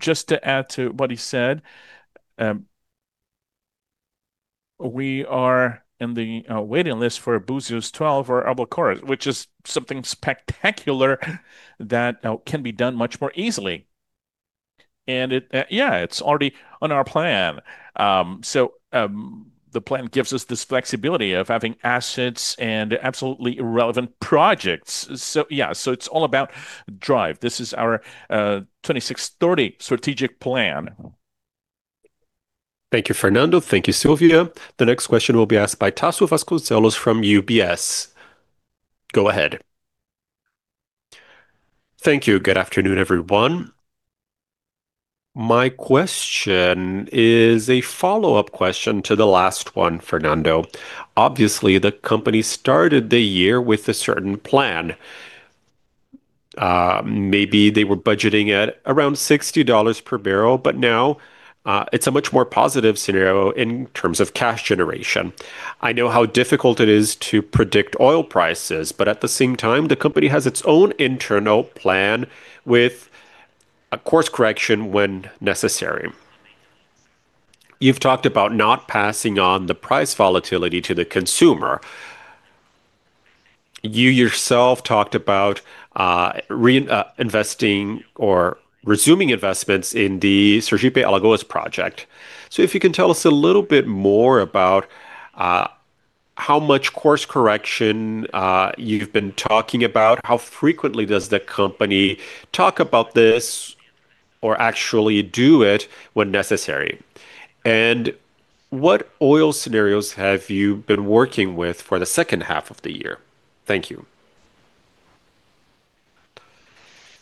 just to add to what he said, we are in the waiting list for Búzios 12 or Albacora, which is something spectacular that can be done much more easily. It's already on our plan. The plan gives us this flexibility of having assets and absolutely irrelevant projects. It's all about drive. This is our 2026-2030 strategic plan. Thank you, Fernando. Thank you, Sylvia. The next question will be asked by Tasso Vasconcellos from UBS. Go ahead. Thank you. Good afternoon, everyone. My question is a follow-up question to the last one, Fernando. Obviously, the company started the year with a certain plan. Maybe they were budgeting at around $60 per barrel, but now it's a much more positive scenario in terms of cash generation. I know how difficult it is to predict oil prices, but at the same time, the company has its own internal plan with a course correction when necessary. You've talked about not passing on the price volatility to the consumer. You yourself talked about investing or resuming investments in the Sergipe-Alagoas project. If you can tell us a little bit more about how much course correction you've been talking about, how frequently does the company talk about this or actually do it when necessary? What oil scenarios have you been working with for the second half of the year? Thank you.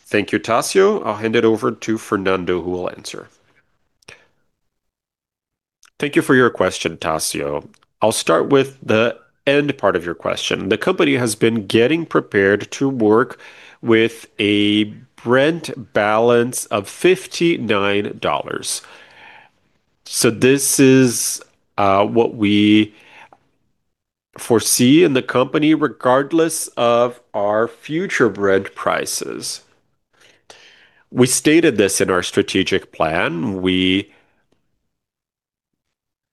Thank you, Tasso. I'll hand it over to Fernando, who will answer. Thank you for your question, Tasso. I'll start with the end part of your question. The company has been getting prepared to work with a Brent balance of $59. This is what we foresee in the company regardless of our future Brent prices. We stated this in our strategic plan. We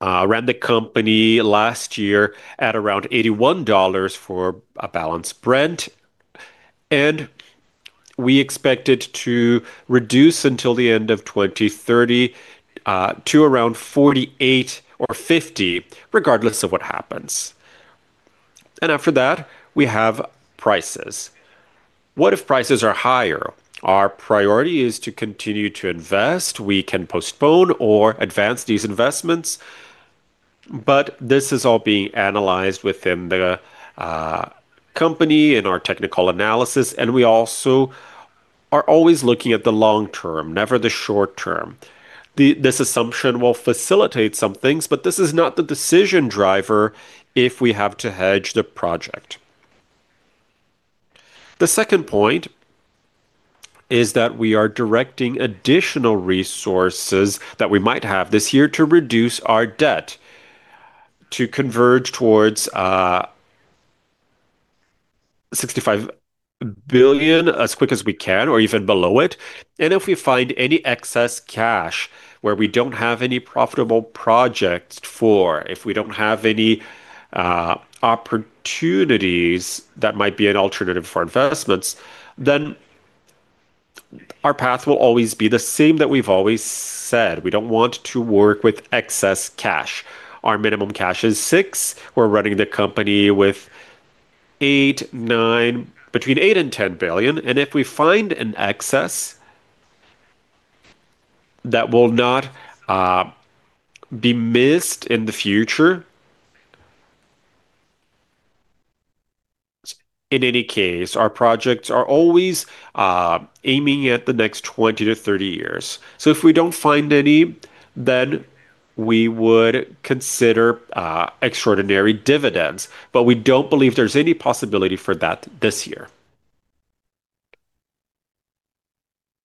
ran the company last year at around $81 for a balanced Brent, and we expect it to reduce until the end of 2030, to around $48 or $50, regardless of what happens. After that, we have prices. What if prices are higher? Our priority is to continue to invest. We can postpone or advance these investments, but this is all being analyzed within the company and our technical analysis, and we also are always looking at the long term, never the short term. This assumption will facilitate some things, but this is not the decision driver if we have to hedge the project. The second point is that we are directing additional resources that we might have this year to reduce our debt to converge towards $65 billion as quick as we can or even below it. If we find any excess cash where we don't have any profitable projects for, if we don't have any opportunities that might be an alternative for investments, then our path will always be the same that we've always said. We don't want to work with excess cash. Our minimum cash is 6. We're running the company with 8, 9, between 8 billion and 10 billion. If we find an excess that will not be missed in the future. In any case, our projects are always aiming at the next 20 to 30 years. If we don't find any, then we would consider extraordinary dividends. We don't believe there's any possibility for that this year.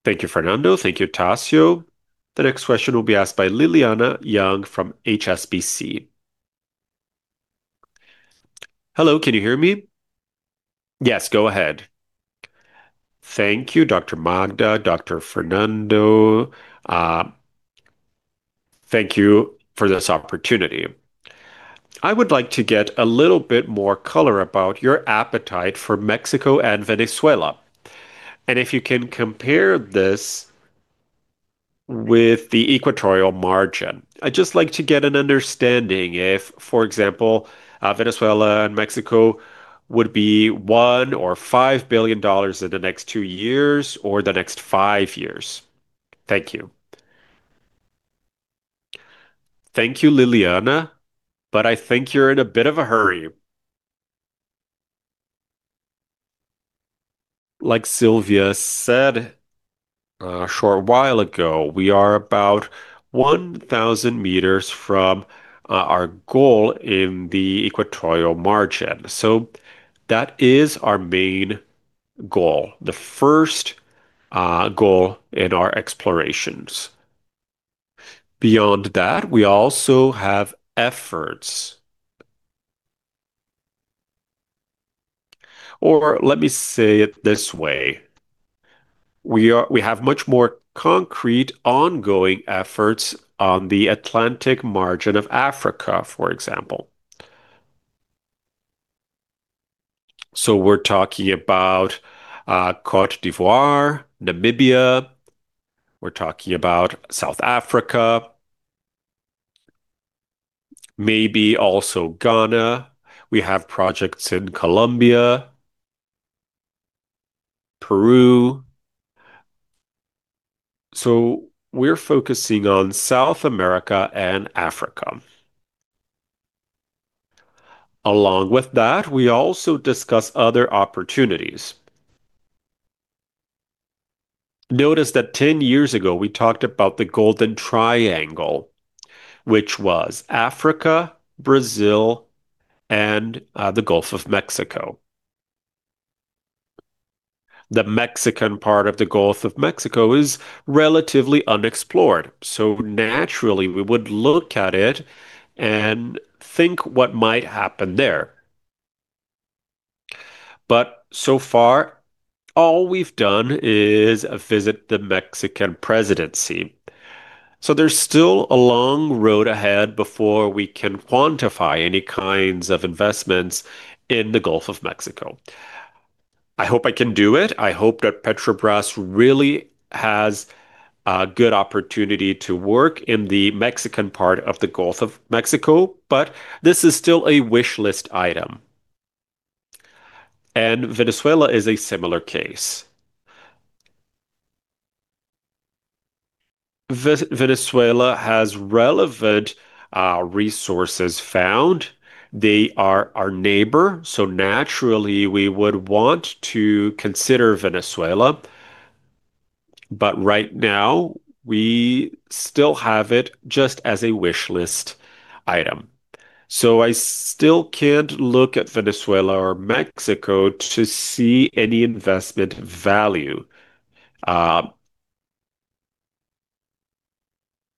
Thank you, Fernando. Thank you, Tasso. The next question will be asked by Lilyanna Yang from HSBC. Hello, can you hear me? Yes, go ahead. Thank you, Magda, Fernando. Thank you for this opportunity. I would like to get a little bit more color about your appetite for Mexico and Venezuela. If you can compare this with the equatorial margin. I'd just like to get an understanding if, for example, Venezuela and Mexico would be $1 billion or $5 billion in the next 2 years or the next 5 years. Thank you. Thank you, Lilyanna, I think you're in a bit of a hurry. Like Sylvia said a short while ago, we are about 1,000 meters from our goal in the equatorial margin. That is our main goal, the first goal in our explorations. Beyond that, we also have efforts. Let me say it this way, we have much more concrete ongoing efforts on the Atlantic margin of Africa, for example. We're talking about Côte d'Ivoire, Namibia, we're talking about South Africa, maybe also Ghana. We have projects in Colombia, Peru. We're focusing on South America and Africa. Along with that, we also discuss other opportunities. Notice that 10 years ago, we talked about the Golden Triangle, which was Africa, Brazil, and the Gulf of Mexico. The Mexican part of the Gulf of Mexico is relatively unexplored, naturally we would look at it and think what might happen there. So far, all we've done is visit the Mexican presidency. There's still a long road ahead before we can quantify any kinds of investments in the Gulf of Mexico. I hope I can do it. I hope that Petrobras really has a good opportunity to work in the Mexican part of the Gulf of Mexico, this is still a wish list item. Venezuela is a similar case. Venezuela has relevant resources found. They are our neighbor, naturally we would want to consider Venezuela. Right now, we still have it just as a wish list item. I still can't look at Venezuela or Mexico to see any investment value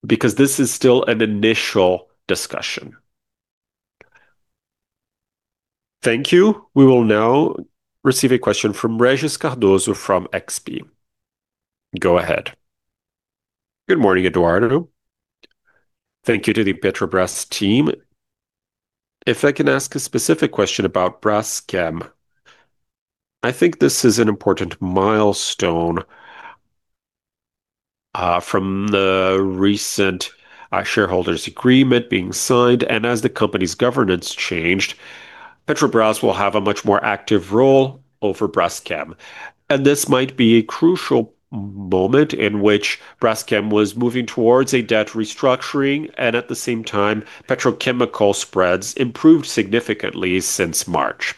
because this is still an initial discussion. Thank you. We will now receive a question from Regis Cardoso from XP. Go ahead. Good morning, Eduardo. Thank you to the Petrobras team. If I can ask a specific question about Braskem. I think this is an important milestone from the recent shareholders agreement being signed, and as the company's governance changed, Petrobras will have a much more active role over Braskem. This might be a crucial moment in which Braskem was moving towards a debt restructuring, at the same time, petrochemical spreads improved significantly since March.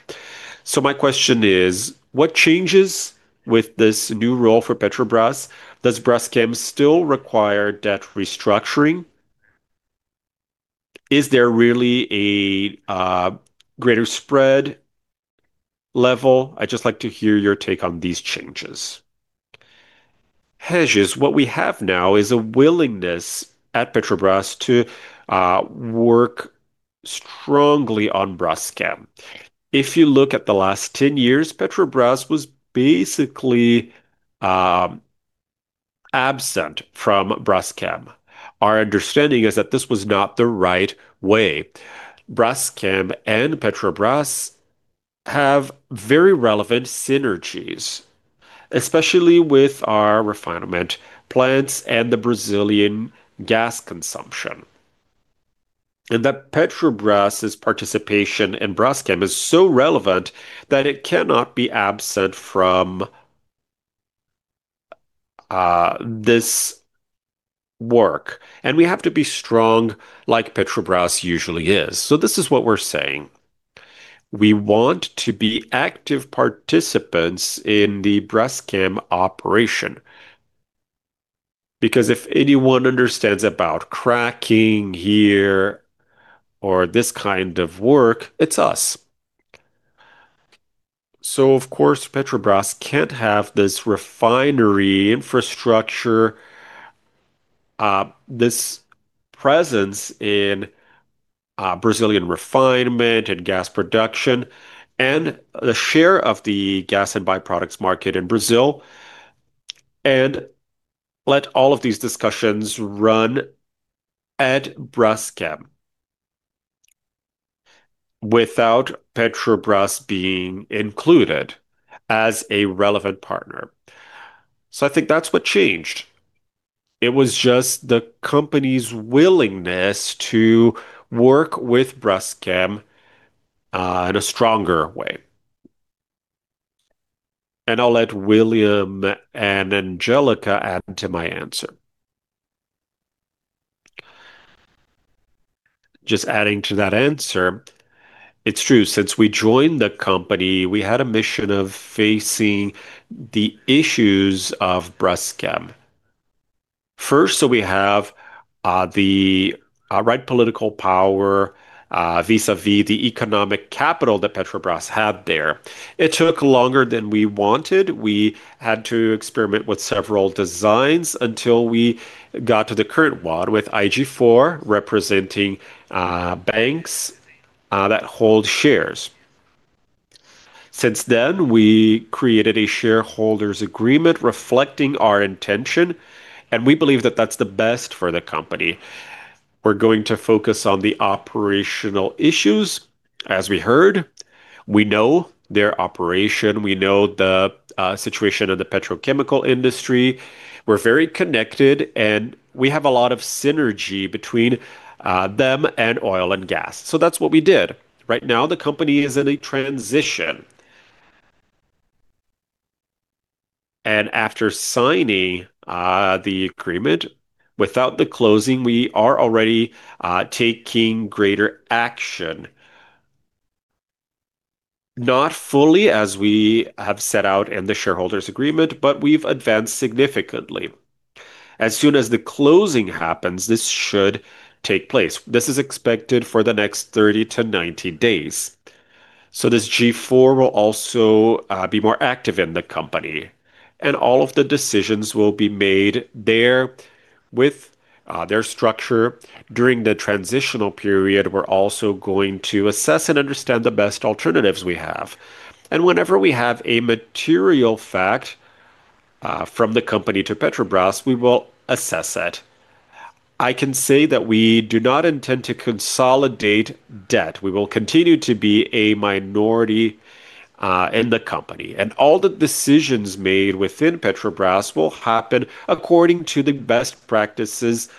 My question is, what changes with this new role for Petrobras? Does Braskem still require debt restructuring? Is there really a greater spread level? I'd just like to hear your take on these changes. Regis, what we have now is a willingness at Petrobras to work strongly on Braskem. If you look at the last 10 years, Petrobras was basically absent from Braskem. Our understanding is that this was not the right way. Braskem and Petrobras have very relevant synergies, especially with our refinement plants and the Brazilian gas consumption. Petrobras' participation in Braskem is so relevant that it cannot be absent from this work, and we have to be strong like Petrobras usually is. This is what we're saying. We want to be active participants in the Braskem operation, because if anyone understands about cracking here or this kind of work, it's us. Of course, Petrobras can't have this refinery infrastructure, this presence in Brazilian refinement and gas production and the share of the gas and byproducts market in Brazil, and let all of these discussions run at Braskem without Petrobras being included as a relevant partner. I think that's what changed. It was just the company's willingness to work with Braskem in a stronger way. I'll let William and Angélica add to my answer. Just adding to that answer, it's true. Since we joined the company, we had a mission of facing the issues of Braskem. First, we have the right political power vis-à-vis the economic capital that Petrobras had there. It took longer than we wanted. We had to experiment with several designs until we got to the current one with IG4 representing banks that hold shares. We created a shareholders agreement reflecting our intention, and we believe that that's the best for the company. We're going to focus on the operational issues. As we heard, we know their operation. We know the situation of the petrochemical industry. We're very connected, and we have a lot of synergy between them and oil and gas. Right now, the company is in a transition. After signing the agreement, without the closing, we are already taking greater action. Not fully as we have set out in the shareholders agreement, but we've advanced significantly. As soon as the closing happens, this should take place. This is expected for the next 30 to 90 days. This G4 will also be more active in the company, and all of the decisions will be made there with their structure. During the transitional period, we're also going to assess and understand the best alternatives we have. Whenever we have a material fact from the company to Petrobras, we will assess it. I can say that we do not intend to consolidate debt. We will continue to be a minority in the company. All the decisions made within Petrobras will happen according to the best practices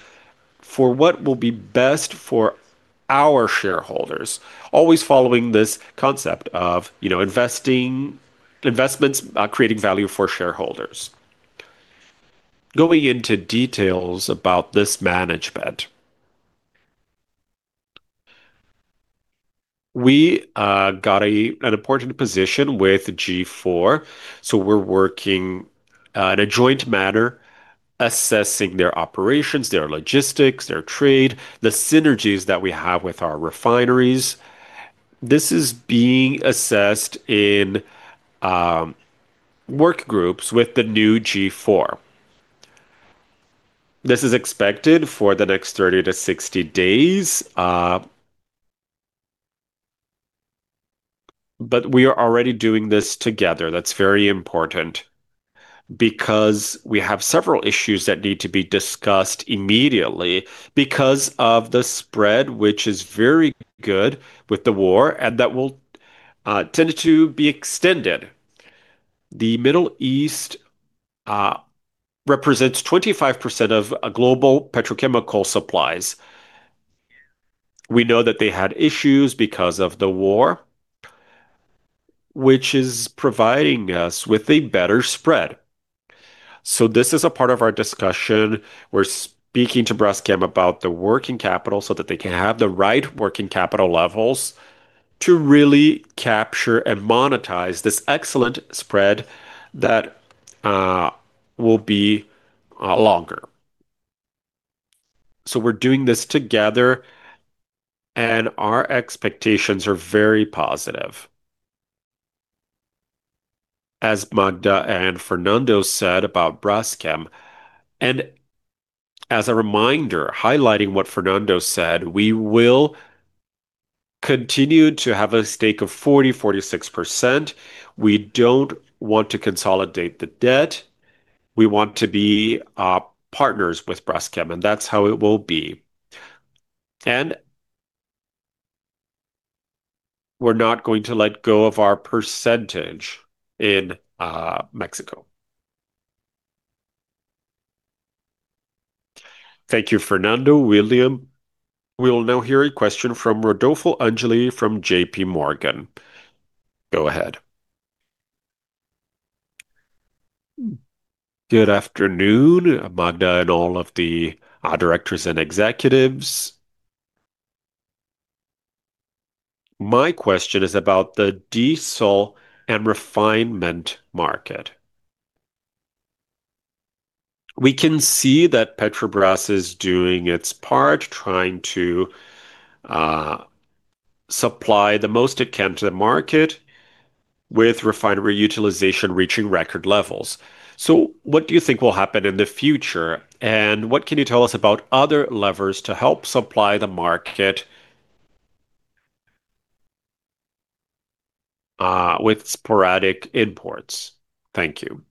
for what will be best for our shareholders, always following this concept of investments creating value for shareholders. Going into details about this management. We got an important position with G4. We're working in a joint manner assessing their operations, their logistics, their trade, the synergies that we have with our refineries. This is being assessed in work groups with the new IG4. This is expected for the next 30 to 60 days, but we are already doing this together. That's very important because we have several issues that need to be discussed immediately because of the spread, which is very good with the war, and that will tend to be extended. The Middle East represents 25% of global petrochemical supplies. We know that they had issues because of the war, which is providing us with a better spread. This is a part of our discussion. We're speaking to Braskem about the working capital so that they can have the right working capital levels to really capture and monetize this excellent spread that will be longer. We're doing this together, and our expectations are very positive. As Magda and Fernando said about Braskem, and as a reminder, highlighting what Fernando said, we will continue to have a stake of 46%. We don't want to consolidate the debt. We want to be partners with Braskem, and that's how it will be. We're not going to let go of our percentage in Mexico. Thank you, Fernando. William. We'll now hear a question from Rodolfo Angele from JPMorgan. Go ahead. Good afternoon, Magda and all of the directors and executives. My question is about the diesel and refinement market. We can see that Petrobras is doing its part trying to supply the most it can to the market with refinery utilization reaching record levels. What do you think will happen in the future? What can you tell us about other levers to help supply the market with sporadic imports? Thank you.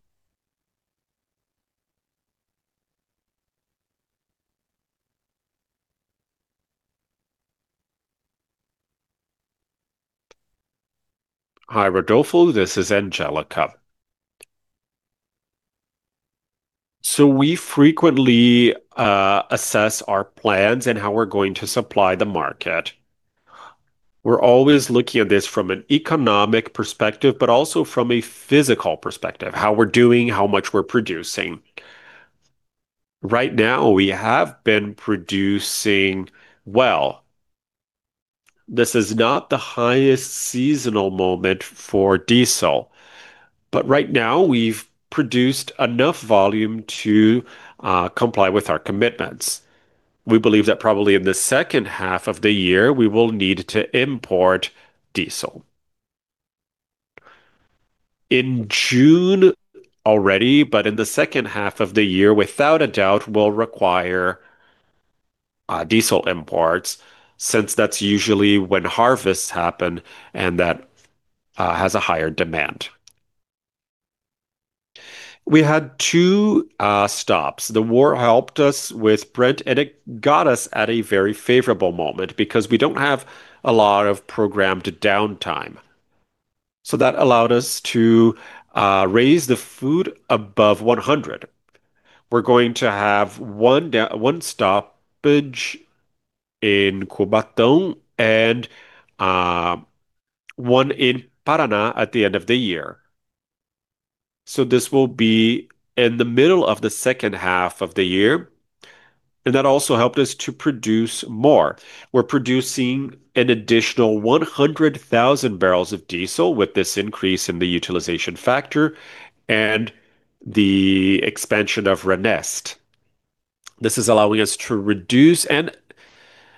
Hi, Rodolfo. This is Angélica. We frequently assess our plans and how we're going to supply the market. We're always looking at this from an economic perspective, but also from a physical perspective, how we're doing, how much we're producing. Right now, we have been producing well. This is not the highest seasonal moment for diesel, but right now we've produced enough volume to comply with our commitments. We believe that probably in the second half of the year, we will need to import diesel. In June already, in the second half of the year, without a doubt, we'll require diesel imports since that's usually when harvests happen and that has a higher demand. We had two stops. The war helped us with Brent, and it got us at a very favorable moment because we don't have a lot of programmed downtime. That allowed us to raise the load above 100. We're going to have one stoppage in Cubatão and one in Paraná at the end of the year. This will be in the middle of the second half of the year, and that also helped us to produce more. We're producing an additional 100,000 barrels of diesel with this increase in the utilization factor and the expansion of RNEST. This is allowing us to reduce and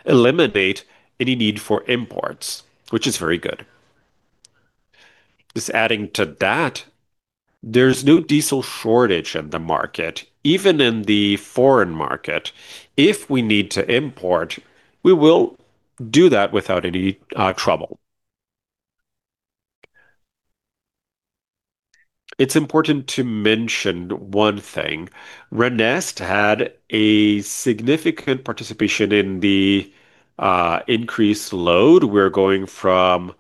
eliminate any need for imports, which is very good. Just adding to that, there's no diesel shortage in the market, even in the foreign market. If we need to import, we will do that without any trouble. It's important to mention one thing. RNEST had a significant participation in the increased load. We're going from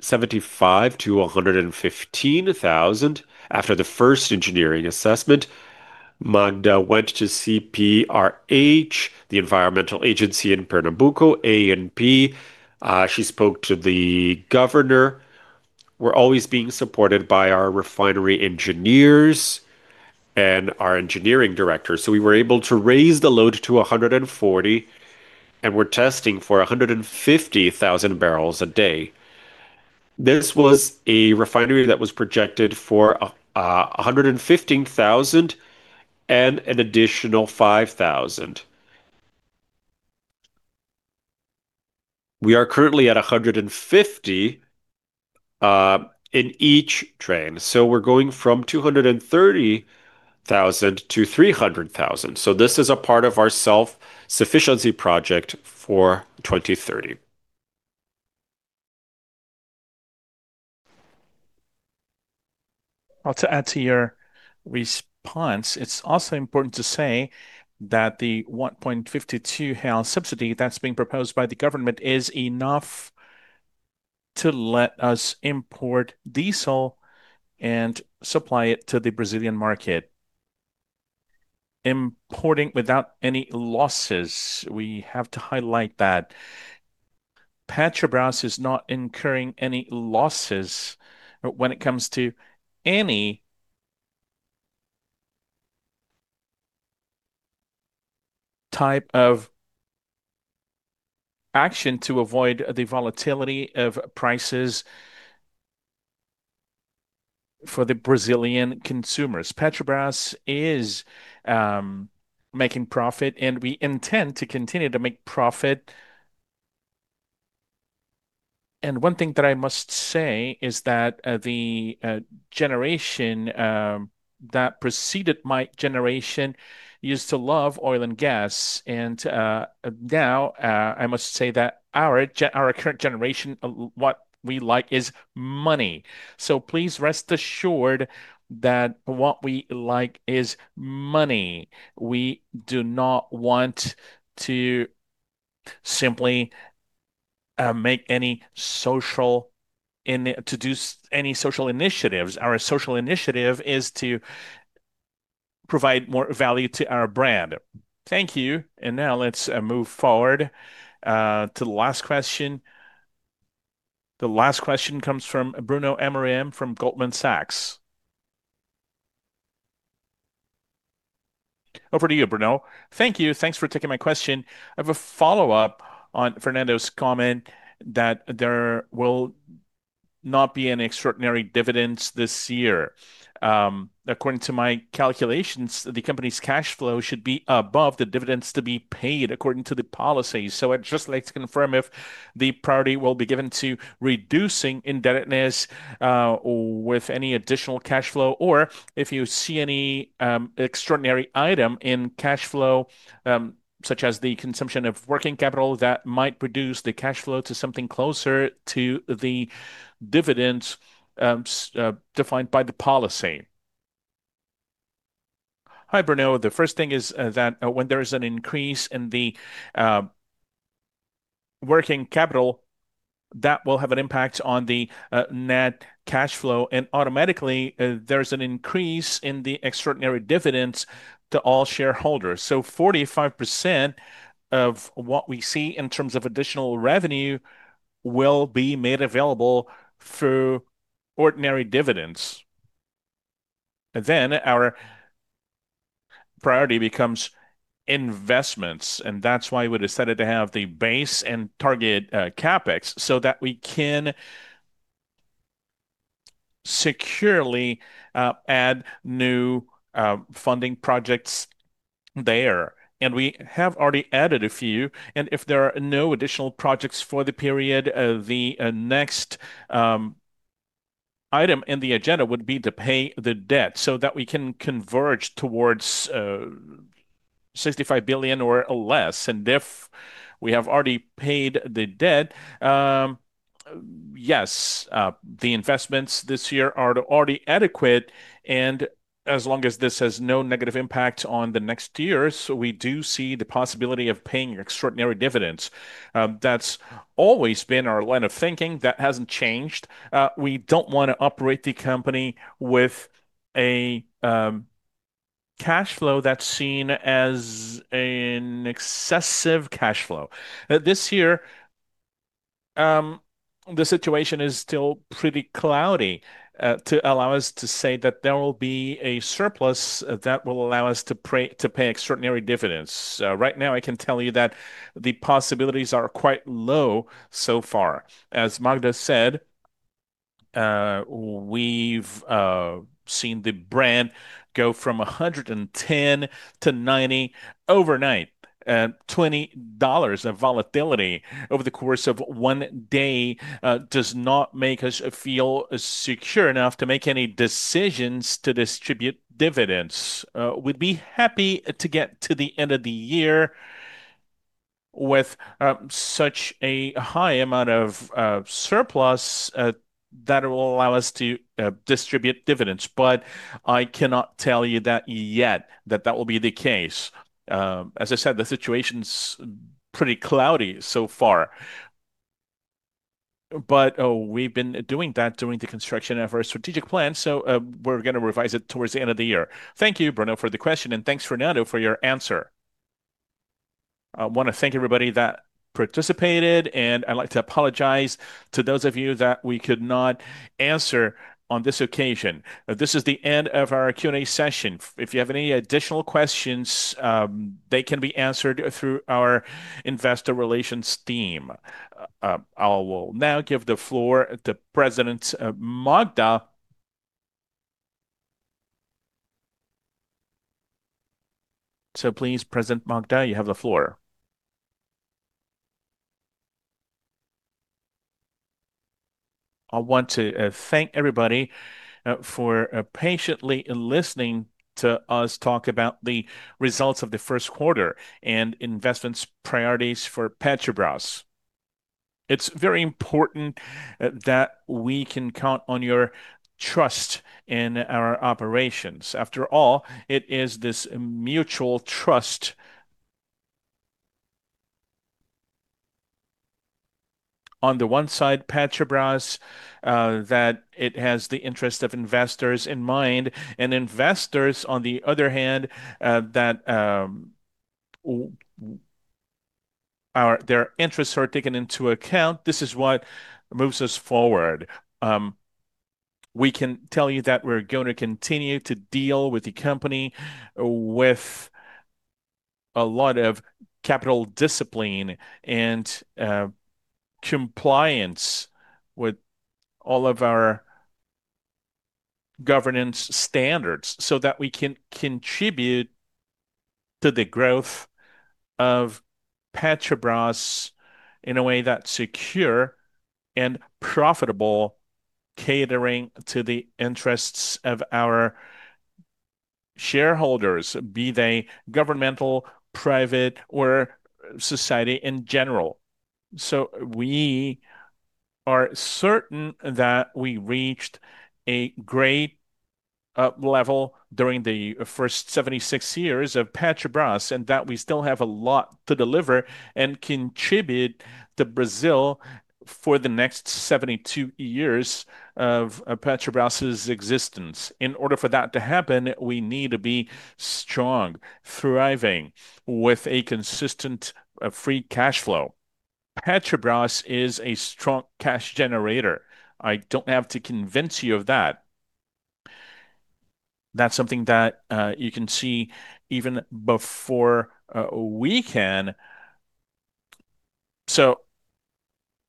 75,000 to 115,000 after the first engineering assessment. Magda went to CPRH, the environmental agency in Pernambuco, ANP. She spoke to the governor. We're always being supported by our refinery engineers and our engineering director, so we were able to raise the load to 140,000, and we're testing for 150,000 barrels a day. This was a refinery that was projected for a 115,000 and an additional 5,000. We are currently at 150 in each train. We're going from 230,000 to 300,000. This is a part of our self-sufficiency project for 2030. To add to your response, it's also important to say that the 1.52 real subsidy that's being proposed by the government is enough to let us import diesel and supply it to the Brazilian market. Importing without any losses, we have to highlight that. Petrobras is not incurring any losses when it comes to any type of action to avoid the volatility of prices for the Brazilian consumers. Petrobras is making profit, and we intend to continue to make profit. One thing that I must say is that the generation that preceded my generation used to love oil and gas. Now, I must say that our current generation, what we like is money. Please rest assured that what we like is money. We do not want to simply make any social initiatives. Our social initiative is to provide more value to our brand. Thank you. Now let's move forward to the last question. The last question comes from Bruno Montanari from Goldman Sachs. Over to you, Bruno. Thank you. Thanks for taking my question. I have a follow-up on Fernando's comment that there will not be any extraordinary dividends this year. According to my calculations, the company's cash flow should be above the dividends to be paid according to the policy. I'd just like to confirm if the priority will be given to reducing indebtedness, or with any additional cash flow, or if you see any extraordinary item in cash flow, such as the consumption of working capital that might produce the cash flow to something closer to the dividends defined by the policy. Hi, Bruno. The first thing is that when there is an increase in the working capital, that will have an impact on the net cash flow, automatically, there's an increase in the extraordinary dividends to all shareholders. 45% of what we see in terms of additional revenue will be made available through ordinary dividends. Our priority becomes investments, and that's why we decided to have the base and target CapEx, so that we can securely add new funding projects there. We have already added a few, and if there are no additional projects for the period, the next item in the agenda would be to pay the debt so that we can converge towards $65 billion or less. If we have already paid the debt, the investments this year are already adequate. As long as this has no negative impact on the next year, we do see the possibility of paying extraordinary dividends. That's always been our line of thinking. That hasn't changed. We don't wanna operate the company with a cash flow that's seen as an excessive cash flow. This year, the situation is still pretty cloudy to allow us to say that there will be a surplus that will allow us to pay extraordinary dividends. Right now, I can tell you that the possibilities are quite low so far. As Magda said, we've seen the Brent go from 110 to 90 overnight. Twenty dollars of volatility over the course of one day does not make us feel secure enough to make any decisions to distribute dividends. We'd be happy to get to the end of the year with such a high amount of surplus that will allow us to distribute dividends. I cannot tell you that yet, that that will be the case. As I said, the situation's pretty cloudy so far. We've been doing that during the construction of our strategic plan, we're gonna revise it towards the end of the year. Thank you, Bruno, for the question, and thanks, Fernando, for your answer. I wanna thank everybody that participated, and I'd like to apologize to those of you that we could not answer on this occasion. This is the end of our Q&A session. If you have any additional questions, they can be answered through our investor relations team. I will now give the floor to President Magda. Please, President Magda, you have the floor. I want to thank everybody for patiently listening to us talk about the results of the first quarter and investments priorities for Petrobras. It's very important that we can count on your trust in our operations. After all, it is this mutual trust. On the one side, Petrobras, that it has the interest of investors in mind, and investors, on the other hand, that their interests are taken into account. This is what moves us forward. We can tell you that we're gonna continue to deal with the company with a lot of capital discipline and compliance with all of our governance standards so that we can contribute to the growth of Petrobras in a way that's secure and profitable, catering to the interests of our shareholders, be they governmental, private, or society in general. We are certain that we reached a great level during the first 76 years of Petrobras, and that we still have a lot to deliver and contribute to Brazil for the next 72 years of Petrobras' existence. In order for that to happen, we need to be strong, thriving, with a consistent free cash flow. Petrobras is a strong cash generator. I don't have to convince you of that. That's something that you can see even before we can.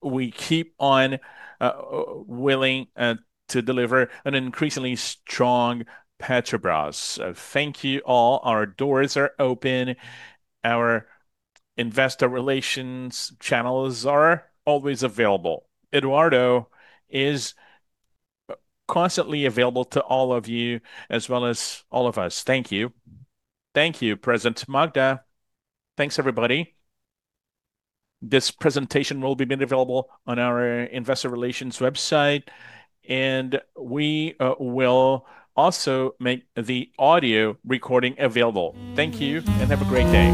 We keep on willing to deliver an increasingly strong Petrobras. Thank you all. Our doors are open. Our investor relations channels are always available. Eduardo is constantly available to all of you, as well as all of us. Thank you. Thank you, President Magda. Thanks, everybody. This presentation will be made available on our investor relations website, and we will also make the audio recording available. Thank you, and have a great day.